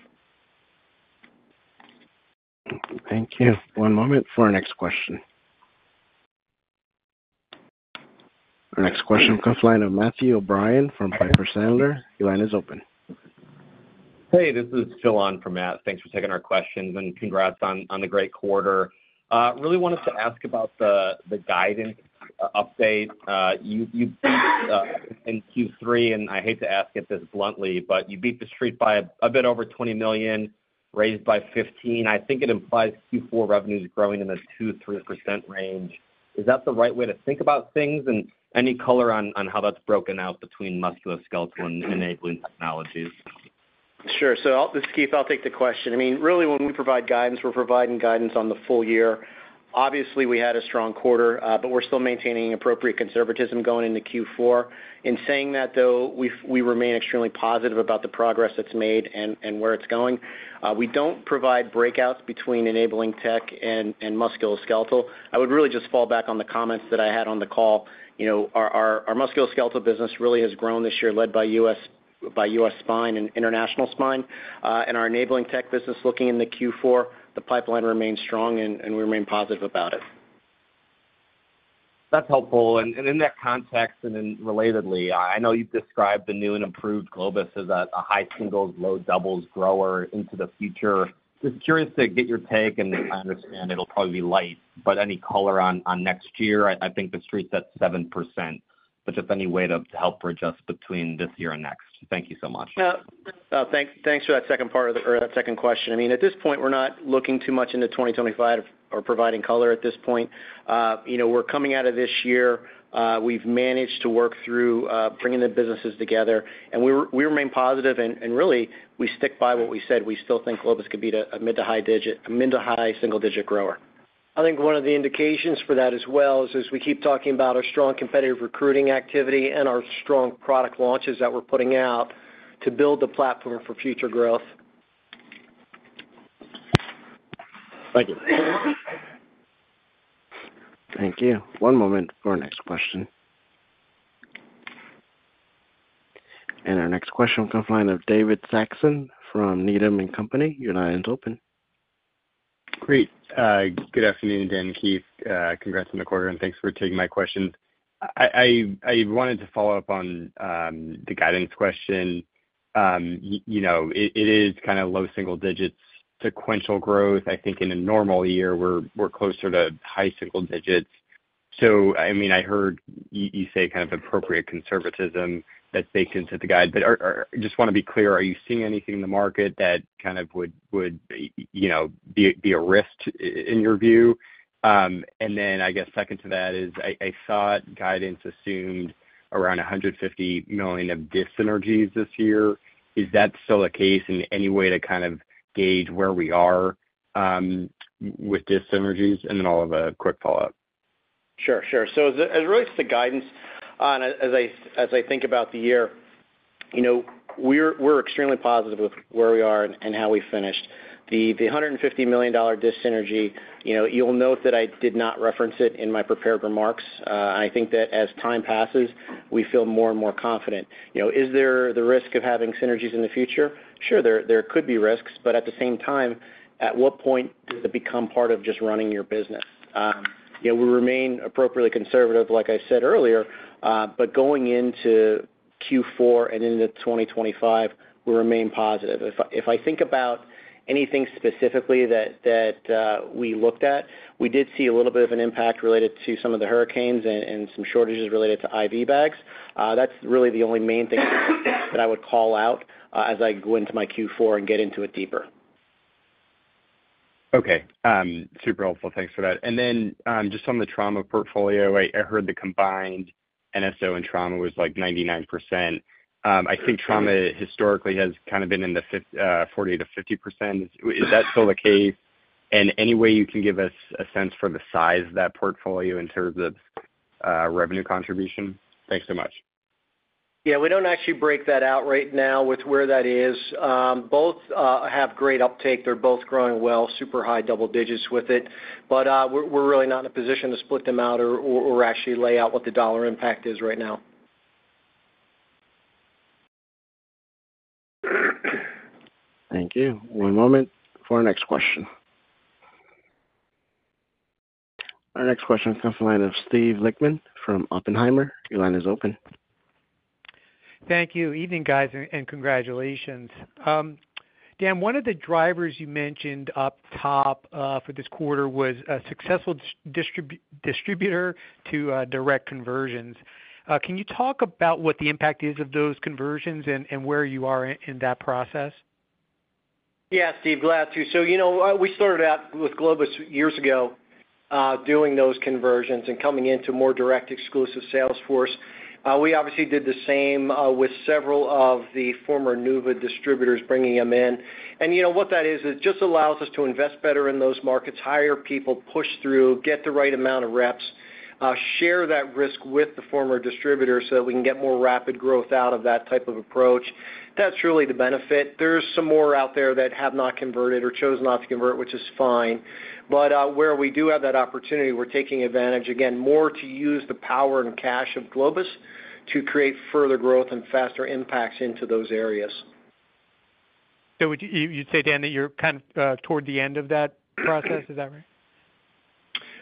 Thank you. One moment for our next question. Our next question comes from the line of Matthew O'Brien from Piper Sandler. Your line is open. Hey, this is Jillian from Matt. Thanks for taking our questions and congrats on the great quarter. Really wanted to ask about the guidance update. You beat in Q3, and I hate to ask it this bluntly, but you beat the street by a bit over $20 million, raised by $15 million. I think it implies Q4 revenues growing in the 2%-3% range. Is that the right way to think about things and any color on how that's broken out between musculoskeletal and enabling technologies? Sure. So this is Keith. I'll take the question. I mean, really, when we provide guidance, we're providing guidance on the full year. Obviously, we had a strong quarter, but we're still maintaining appropriate conservatism going into Q4. In saying that, though, we remain extremely positive about the progress that's made and where it's going. We don't provide breakouts between enabling tech and musculoskeletal. I would really just fall back on the comments that I had on the call. Our musculoskeletal business really has grown this year, led by U.S. spine and international spine. And our enabling tech business looking in the Q4, the pipeline remains strong, and we remain positive about it. That's helpful. And in that context and relatedly, I know you've described the new and improved Globus as a high singles, low doubles grower into the future. Just curious to get your take, and I understand it'll probably be light, but any color on next year? I think the street's at 7%, but just any way to help adjust between this year and next. Thank you so much. Thanks for that second part or that second question. I mean, at this point, we're not looking too much into 2025 or providing color at this point. We're coming out of this year. We've managed to work through bringing the businesses together. And we remain positive, and really, we stick by what we said. We still think Globus could be a mid- to high-single-digit grower. I think one of the indications for that as well is we keep talking about our strong competitive recruiting activity and our strong product launches that we're putting out to build the platform for future growth. Thank you. Thank you. One moment for our next question. And our next question comes from the line of David Saxon from Needham & Company. Your line is open. Great. Good afternoon again, Keith. Congrats on the quarter, and thanks for taking my questions. I wanted to follow-up on the guidance question. It is kind of low-single-digit sequential growth. I think in a normal year, we're closer to high single digits. So I mean, I heard you say kind of appropriate conservatism that's baked into the guide, but I just want to be clear. Are you seeing anything in the market that kind of would be a risk in your view? And then I guess second to that is I saw guidance assumed around $150 million of dis-synergies this year. Is that still the case in any way to kind of gauge where we are with dis-synergies? And then I'll have a quick follow-up. Sure. Sure. So as it relates to guidance, as I think about the year, we're extremely positive with where we are and how we finished. The $150 million dis-synergy, you'll note that I did not reference it in my prepared remarks. I think that as time passes, we feel more and more confident. Is there the risk of having synergies in the future? Sure, there could be risks, but at the same time, at what point does it become part of just running your business? We remain appropriately conservative, like I said earlier, but going into Q4 and into 2025, we remain positive. If I think about anything specifically that we looked at, we did see a little bit of an impact related to some of the hurricanes and some shortages related to IV bags. That's really the only main thing that I would call out as I go into my Q4 and get into it deeper. Okay. Super helpful. Thanks for that. And then just on the trauma portfolio, I heard the combined NSO and trauma was like 99%. I think trauma historically has kind of been in the 40%-50%. Is that still the case? And any way you can give us a sense for the size of that portfolio in terms of revenue contribution? Thanks so much. Yeah. We don't actually break that out right now with where that is. Both have great uptake. They're both growing well, super high double digits with it. But we're really not in a position to split them out or actually lay out what the dollar impact is right now. Thank you. One moment for our next question. Our next question comes from the line of Steve Lichtman from Oppenheimer. Your line is open. Thank you. Evening, guys, and congratulations. Dan, one of the drivers you mentioned up top for this quarter was a successful distributor to direct conversions. Can you talk about what the impact is of those conversions and where you are in that process? Yeah, Steve, glad to. We started out with Globus years ago doing those conversions and coming into more direct exclusive sales force. We obviously did the same with several of the former NuVasive distributors bringing them in. And what that is, it just allows us to invest better in those markets, hire people, push through, get the right amount of reps, share that risk with the former distributors so that we can get more rapid growth out of that type of approach. That's really the benefit. There's some more out there that have not converted or chosen not to convert, which is fine. But where we do have that opportunity, we're taking advantage, again, more to use the power and cash of Globus to create further growth and faster impacts into those areas. You'd say, Dan, that you're kind of toward the end of that process? Is that right?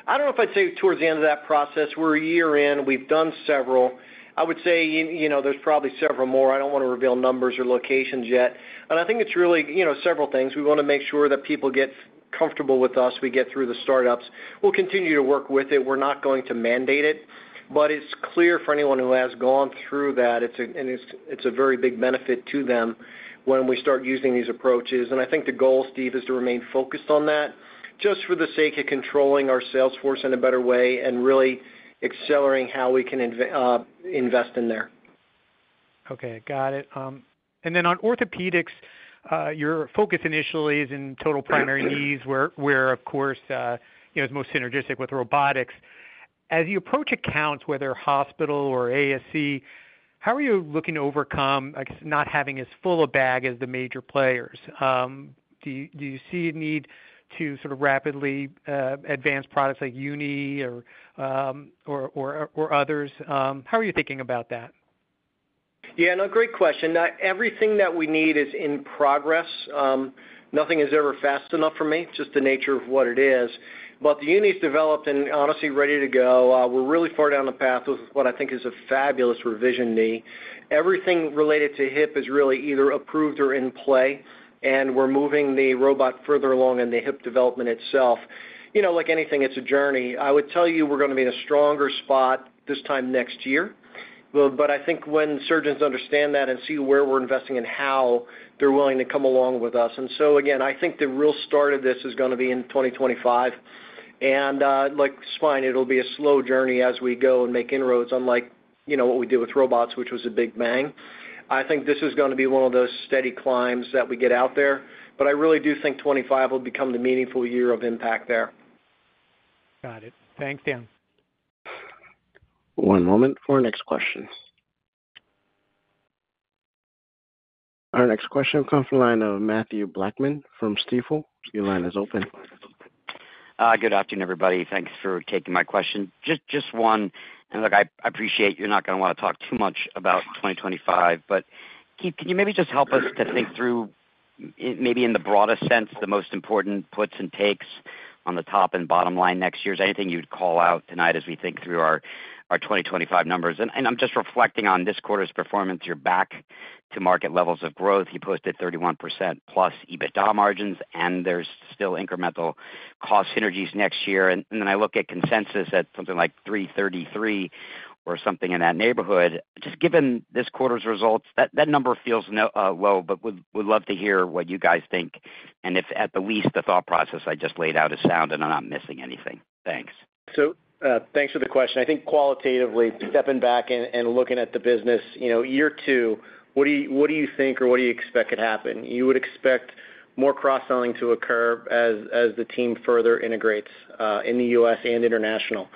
I don't know if I'd say towards the end of that process. We're a year in. We've done several. I would say there's probably several more. I don't want to reveal numbers or locations yet, and I think it's really several things. We want to make sure that people get comfortable with us. We get through the startups. We'll continue to work with it. We're not going to mandate it, but it's clear for anyone who has gone through that, it's a very big benefit to them when we start using these approaches. I think the goal, Steve, is to remain focused on that just for the sake of controlling our sales force in a better way and really accelerating how we can invest in there. Okay. Got it, and then on orthopedics, your focus initially is in total primary knees, where, of course, it's most synergistic with robotics. As you approach accounts, whether hospital or ASC, how are you looking to overcome not having as full a bag as the major players? Do you see a need to sort of rapidly advance products like Uni or others? How are you thinking about that? Yeah. No, great question. Everything that we need is in progress. Nothing is ever fast enough for me, just the nature of what it is. But the Uni's developed and honestly ready to go. We're really far down the path with what I think is a fabulous revision knee. Everything related to hip is really either approved or in play, and we're moving the robot further along in the hip development itself. Like anything, it's a journey. I would tell you we're going to be in a stronger spot this time next year. But I think when surgeons understand that and see where we're investing and how, they're willing to come along with us. And so again, I think the real start of this is going to be in 2025. And like spine, it'll be a slow journey as we go and make inroads, unlike what we did with robots, which was a big bang. I think this is going to be one of those steady climbs that we get out there. But I really do think 2025 will become the meaningful year of impact there. Got it. Thanks, Dan. One moment for our next question. Our next question comes from the line of Mathew Blackman from Stifel. Your line is open. Good afternoon, everybody. Thanks for taking my question. Just one, and I appreciate you're not going to want to talk too much about 2025, but Keith, can you maybe just help us to think through maybe in the broadest sense, the most important puts and takes on the top and bottom line next year? Is there anything you'd call out tonight as we think through our 2025 numbers? And I'm just reflecting on this quarter's performance. You're back to market levels of growth. You posted 31%+ EBITDA margins, and there's still incremental cost synergies next year. And then I look at consensus at something like 333 or something in that neighborhood. Just given this quarter's results, that number feels low, but would love to hear what you guys think. And if at the least the thought process I just laid out is sound and I'm not missing anything. Thanks. So thanks for the question. I think qualitatively, stepping back and looking at the business, year two, what do you think or what do you expect could happen? You would expect more cross-selling to occur as the team further integrates in the U.S. and international.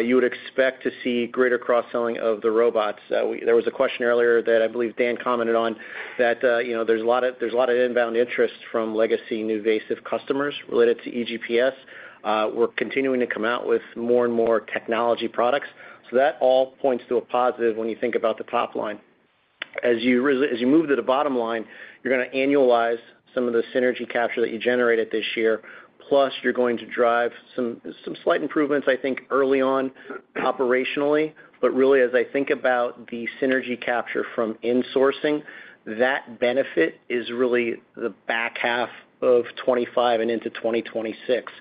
You would expect to see greater cross-selling of the robots. There was a question earlier that I believe Dan commented on that there's a lot of inbound interest from legacy NuVasive customers related to EGPS. We're continuing to come out with more and more technology products. So that all points to a positive when you think about the top line. As you move to the bottom line, you're going to annualize some of the synergy capture that you generated this year. Plus, you're going to drive some slight improvements, I think, early on operationally. But really, as I think about the synergy capture from insourcing, that benefit is really the back half of 2025 and into 2026.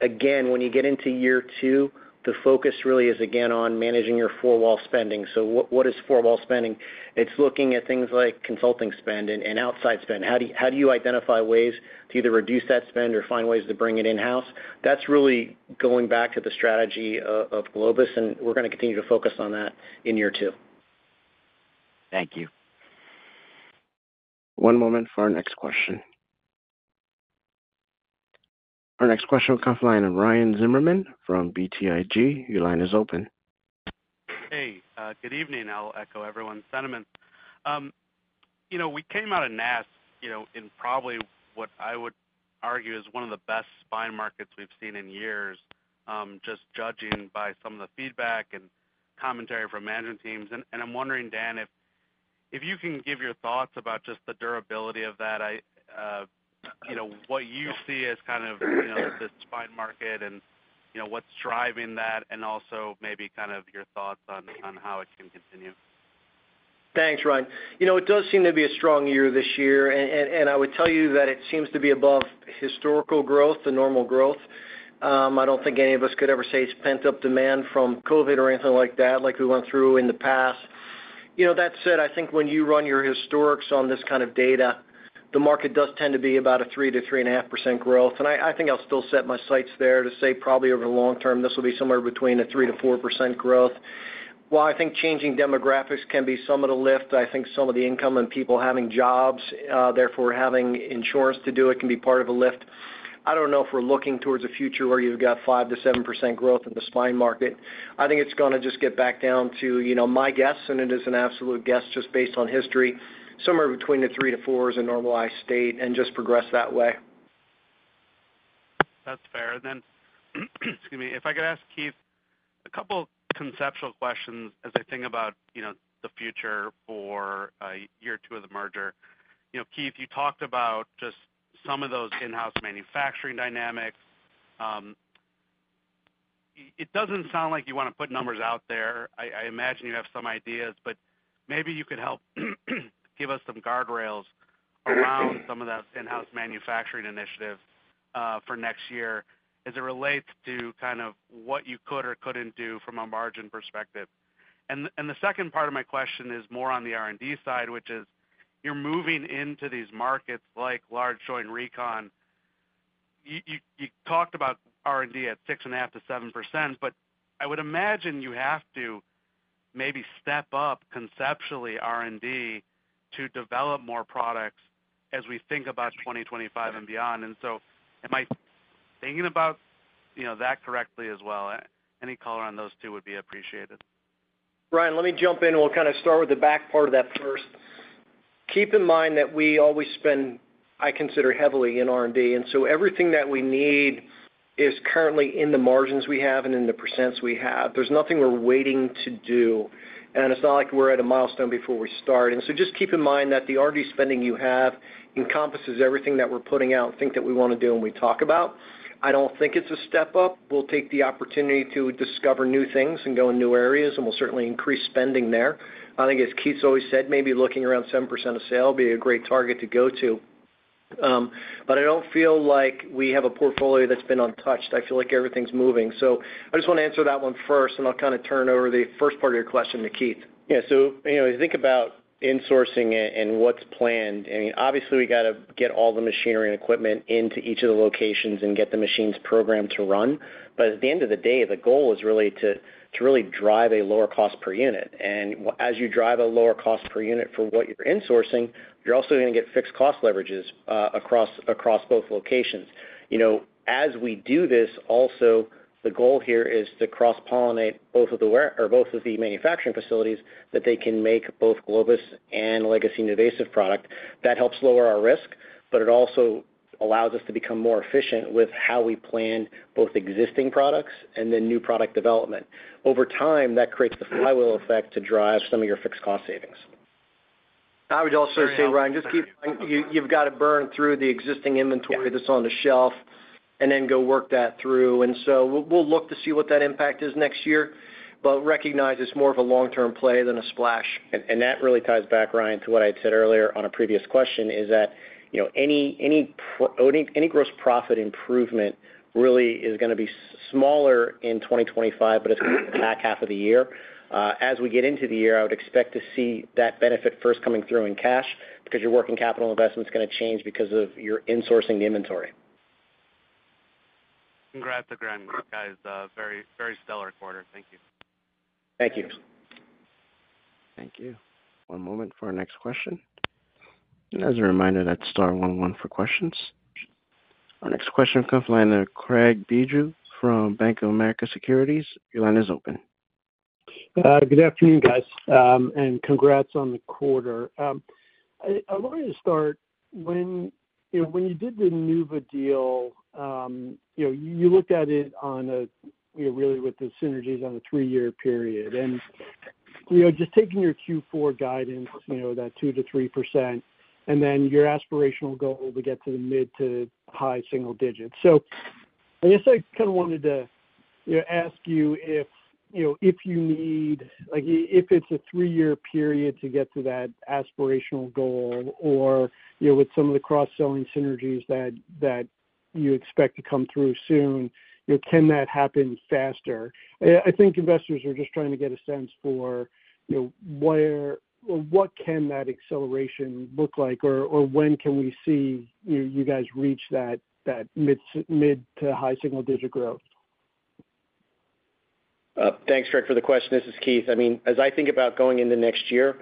Again, when you get into year two, the focus really is again on managing your four-wall spending. So what is four-wall spending? It's looking at things like consulting spend and outside spend. How do you identify ways to either reduce that spend or find ways to bring it in-house? That's really going back to the strategy of Globus, and we're going to continue to focus on that in year two. Thank you. One moment for our next question. Our next question comes from the line of Ryan Zimmerman from BTIG. Your line is open. Hey, good evening. I'll echo everyone's sentiments. We came out of NASS in probably what I would argue is one of the best spine markets we've seen in years, just judging by some of the feedback and commentary from management teams, and I'm wondering, Dan, if you can give your thoughts about just the durability of that, what you see as kind of the spine market and what's driving that, and also maybe kind of your thoughts on how it can continue. Thanks, Ryan. It does seem to be a strong year this year, and I would tell you that it seems to be above historical growth, the normal growth. I don't think any of us could ever say it's pent-up demand from COVID or anything like that, like we went through in the past. That said, I think when you run your historics on this kind of data, the market does tend to be about a 3-3.5% growth, and I think I'll still set my sights there to say probably over the long term, this will be somewhere between a 3%-4% growth. While I think changing demographics can be somewhat a lift, I think some of the income and people having jobs, therefore having insurance to do it can be part of a lift. I don't know if we're looking towards a future where you've got 5%-7% growth in the spine market. I think it's going to just get back down to my guess, and it is an absolute guess just based on history, somewhere between the 3%-4% is a normalized state and just progress that way. That's fair. And then, excuse me, if I could ask Keith a couple of conceptual questions as I think about the future for year two of the merger. Keith, you talked about just some of those in-house manufacturing dynamics. It doesn't sound like you want to put numbers out there. I imagine you have some ideas, but maybe you could help give us some guardrails around some of those in-house manufacturing initiatives for next year as it relates to kind of what you could or couldn't do from a margin perspective. And the second part of my question is more on the R&D side, which is you're moving into these markets like large joint recon. You talked about R&D at 6.5%-7%, but I would imagine you have to maybe step up conceptually R&D to develop more products as we think about 2025 and beyond. And so am I thinking about that correctly as well? Any color on those two would be appreciated. Ryan, let me jump in. We'll kind of start with the back part of that first. Keep in mind that we always spend, I consider, heavily in R&D. And so everything that we need is currently in the margins we have and in the percents we have. There's nothing we're waiting to do. And it's not like we're at a milestone before we start. And so just keep in mind that the R&D spending you have encompasses everything that we're putting out and think that we want to do and we talk about. I don't think it's a step up. We'll take the opportunity to discover new things and go in new areas, and we'll certainly increase spending there. I think, as Keith's always said, maybe looking around 7% of sales would be a great target to go to. But I don't feel like we have a portfolio that's been untouched. I feel like everything's moving. So I just want to answer that one first, and I'll kind of turn over the first part of your question to Keith. Yeah. So as you think about insourcing and what's planned, I mean, obviously, we got to get all the machinery and equipment into each of the locations and get the machines programmed to run. But at the end of the day, the goal is really to drive a lower cost per unit. And as you drive a lower cost per unit for what you're insourcing, you're also going to get fixed cost leverages across both locations. As we do this, also, the goal here is to cross-pollinate both of the manufacturing facilities that they can make both Globus and legacy NuVasive product. That helps lower our risk, but it also allows us to become more efficient with how we plan both existing products and then new product development. Over time, that creates the flywheel effect to drive some of your fixed cost savings. I would also say, Ryan, just keep in mind you've got to burn through the existing inventory that's on the shelf and then go work that through, and so we'll look to see what that impact is next year, but recognize it's more of a long-term play than a splash. And that really ties back, Ryan, to what I had said earlier on a previous question, is that any gross profit improvement really is going to be smaller in 2025, but it's going to be the back half of the year. As we get into the year, I would expect to see that benefit first coming through in cash because your working capital investment's going to change because of your insourcing the inventory. Congrats, again, guys. Very stellar quarter. Thank you. Thank you. Thank you. One moment for our next question. And as a reminder, that's star one one for questions. Our next question comes from the line of Craig Bijou from Bank of America Securities. Your line is open. Good afternoon, guys, and congrats on the quarter. I wanted to start. When you did the NuVasive deal, you looked at it really with the synergies on a three-year period. And just taking your Q4 guidance, that 2%-3%, and then your aspirational goal to get to the mid- to high-single-digits. So I guess I kind of wanted to ask you if you need, if it's a three-year period to get to that aspirational goal or with some of the cross-selling synergies that you expect to come through soon, can that happen faster? I think investors are just trying to get a sense for what can that acceleration look like or when can we see you guys reach that mid- to high-single-digit growth? Thanks, Craig, for the question. This is Keith. I mean, as I think about going into next year,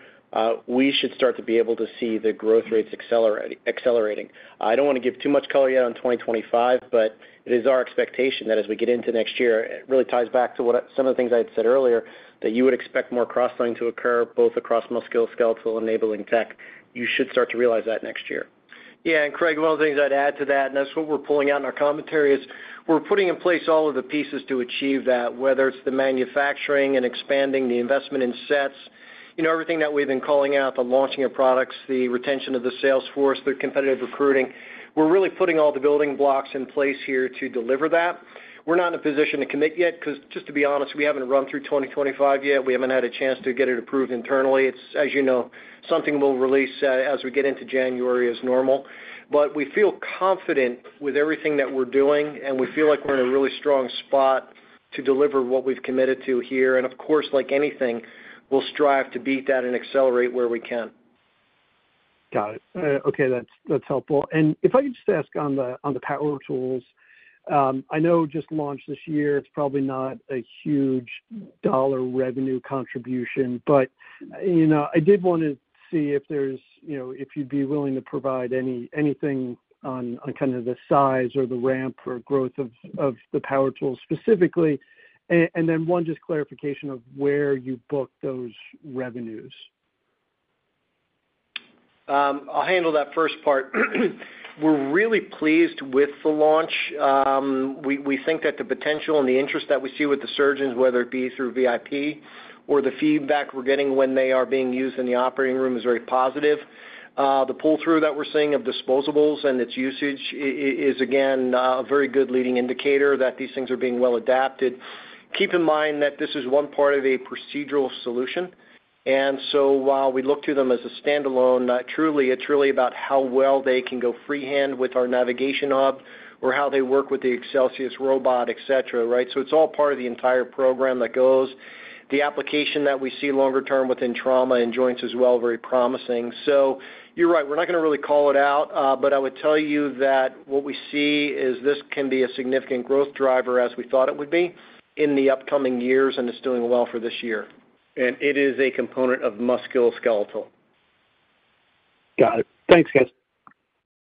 we should start to be able to see the growth rates accelerating. I don't want to give too much color yet on 2025, but it is our expectation that as we get into next year, it really ties back to some of the things I had said earlier, that you would expect more cross-selling to occur both across musculoskeletal enabling tech. You should start to realize that next year. Yeah, and Craig, one of the things I'd add to that, and that's what we're pulling out in our commentary, is we're putting in place all of the pieces to achieve that, whether it's the manufacturing and expanding, the investment in sets, everything that we've been calling out, the launching of products, the retention of the sales force, the competitive recruiting. We're really putting all the building blocks in place here to deliver that. We're not in a position to commit yet because, just to be honest, we haven't run through 2025 yet. We haven't had a chance to get it approved internally. It's, as you know, something we'll release as we get into January as normal. But we feel confident with everything that we're doing, and we feel like we're in a really strong spot to deliver what we've committed to here. And of course, like anything, we'll strive to beat that and accelerate where we can. Got it. Okay. That's helpful. And if I could just ask on the power tools, I know just launched this year, it's probably not a huge dollar revenue contribution, but I did want to see if you'd be willing to provide anything on kind of the size or the ramp or growth of the power tools specifically. And then one just clarification of where you book those revenues. I'll handle that first part. We're really pleased with the launch. We think that the potential and the interest that we see with the surgeons, whether it be through VIP or the feedback we're getting when they are being used in the operating room, is very positive. The pull-through that we're seeing of disposables and its usage is, again, a very good leading indicator that these things are being well adapted. Keep in mind that this is one part of a procedural solution. And so while we look to them as a standalone, truly, it's really about how well they can go freehand with our navigation hub or how they work with the Excelsius robot, et cetera, right? So it's all part of the entire program that goes. The application that we see longer term within trauma and joints is, well, very promising. So you're right. We're not going to really call it out, but I would tell you that what we see is this can be a significant growth driver as we thought it would be in the upcoming years and is doing well for this year. And it is a component of musculoskeletal. Got it. Thanks, guys.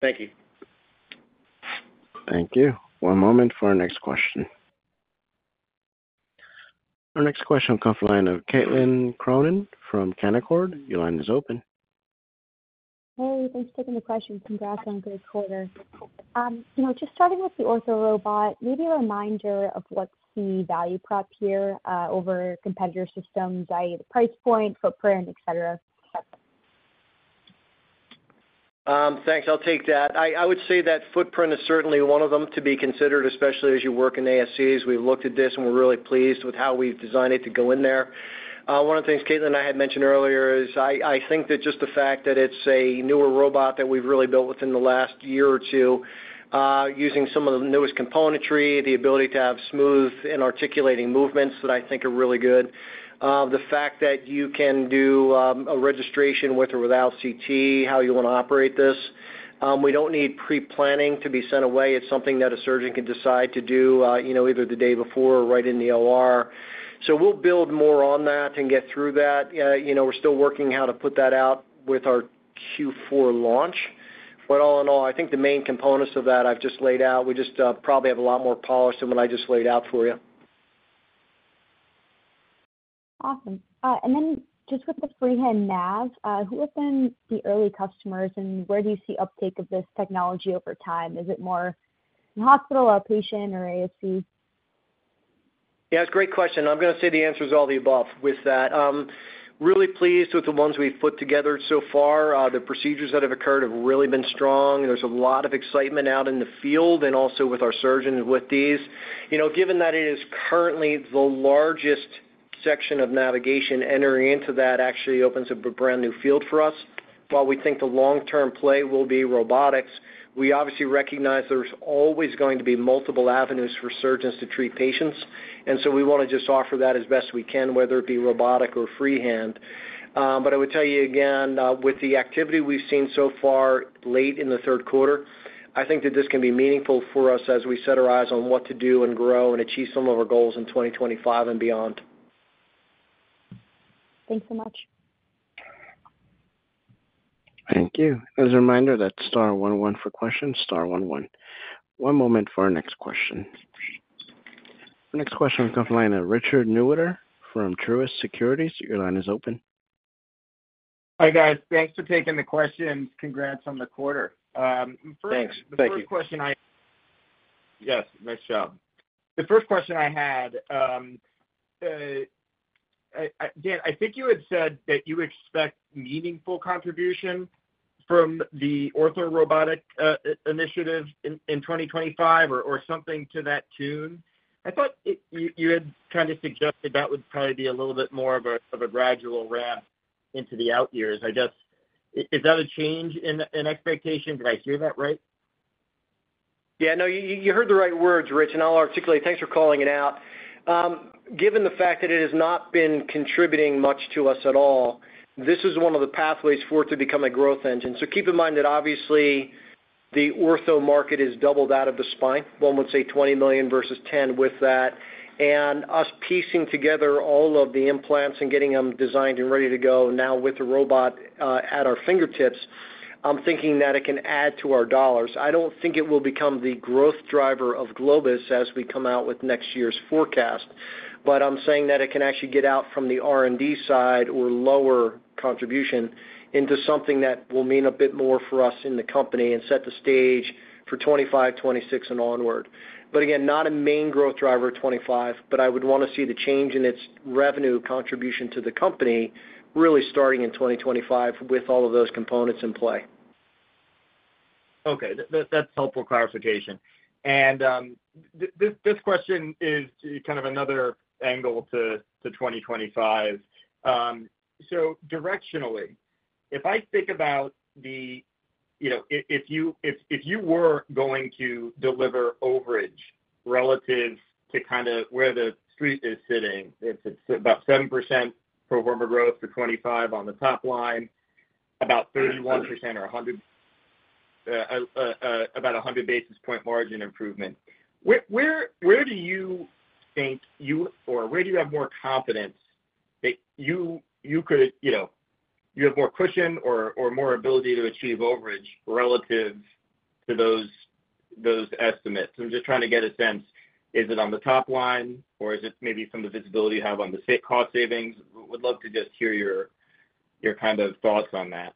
Thank you. Thank you. One moment for our next question. Our next question comes from the line of Caitlin Cronin from Canaccord. Your line is open. Hey, thanks for taking the question. Congrats on a great quarter. Just starting with the ortho robot, maybe a reminder of what's the value prop here over competitor systems, that is, the price point, footprint, et cetera? Thanks. I'll take that. I would say that footprint is certainly one of them to be considered, especially as you work in ASCs. We've looked at this, and we're really pleased with how we've designed it to go in there. One of the things Caitlin and I had mentioned earlier is I think that just the fact that it's a newer robot that we've really built within the last year or two, using some of the newest componentry, the ability to have smooth and articulating movements that I think are really good. The fact that you can do a registration with or without CT, how you want to operate this. We don't need pre-planning to be sent away. It's something that a surgeon can decide to do either the day before or right in the OR. So we'll build more on that and get through that. We're still working how to put that out with our Q4 launch. But all in all, I think the main components of that I've just laid out, we just probably have a lot more polished than what I just laid out for you. Awesome. And then just with the freehand nav, who have been the early customers and where do you see uptake of this technology over time? Is it more in hospital, outpatient, or ASC? Yeah. That's a great question. I'm going to say the answer is all the above with that. Really pleased with the ones we've put together so far. The procedures that have occurred have really been strong. There's a lot of excitement out in the field and also with our surgeons with these. Given that it is currently the largest section of navigation entering into that, actually opens up a brand new field for us. While we think the long-term play will be robotics, we obviously recognize there's always going to be multiple avenues for surgeons to treat patients. And so we want to just offer that as best we can, whether it be robotic or freehand. But I would tell you again, with the activity we've seen so far late in the Q3, I think that this can be meaningful for us as we set our eyes on what to do and grow and achieve some of our goals in 2025 and beyond. Thanks so much. Thank you. As a reminder, that's star one one for questions, star one one. One moment for our next question. Our next question comes from the line of Richard Newitter from Truist Securities. Your line is open. Hi, guys. Thanks for taking the questions. Congrats on the quarter. Thanks. Thank you. The first question I had Yes, nice job. The first question I had, again, I think you had said that you expect meaningful contribution from the ortho robotic initiative in 2025 or something to that tune. I thought you had kind of suggested that would probably be a little bit more of a gradual ramp into the out years. I guess, is that a change in expectation? Did I hear that right? Yeah. No, you heard the right words, Rich, and I'll articulate. Thanks for calling it out. Given the fact that it has not been contributing much to us at all, this is one of the pathways for it to become a growth engine. So keep in mind that obviously the Ortho market is doubled out of the spine. One would say 20 million versus 10 with that. And us piecing together all of the implants and getting them designed and ready to go now with the robot at our fingertips, I'm thinking that it can add to our dollars. I don't think it will become the growth driver of Globus as we come out with next year's forecast. But I'm saying that it can actually get out from the R&D side or lower contribution into something that will mean a bit more for us in the company and set the stage for 2025, 2026, and onward. But again, not a main growth driver 2025, but I would want to see the change in its revenue contribution to the company really starting in 2025 with all of those components in play. Okay. That's helpful clarification. And this question is kind of another angle to 2025. Directionally, if I think about the, you know, if you were going to deliver overage relative to kind of where the street is sitting, it's about 7% pro forma growth for 2025 on the top line, about 31% or about a 100 basis point margin improvement. Where do you think you, or where do you have more confidence that you could have more cushion or more ability to achieve overage relative to those estimates? I'm just trying to get a sense. Is it on the top line, or is it maybe some of the visibility you have on the cost savings? Would love to just hear your kind of thoughts on that.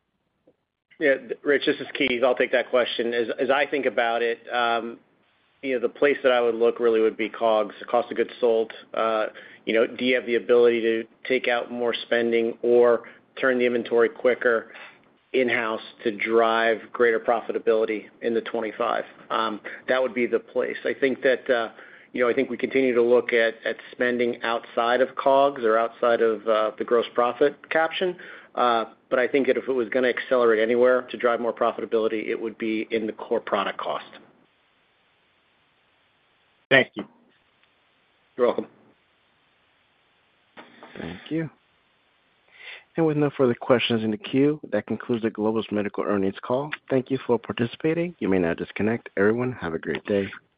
Yeah. Rich, this is Keith. I'll take that question. As I think about it, the place that I would look really would be COGS, the cost of goods sold. Do you have the ability to take out more spending or turn the inventory quicker in-house to drive greater profitability in the 2025? That would be the place. I think that we continue to look at spending outside of COGS or outside of the gross profit caption. But I think that if it was going to accelerate anywhere to drive more profitability, it would be in the core product cost. Thank you. You're welcome. Thank you. With no further questions in the queue, that concludes the Globus Medical Earnings call. Thank you for participating. You may now disconnect. Everyone, have a great day.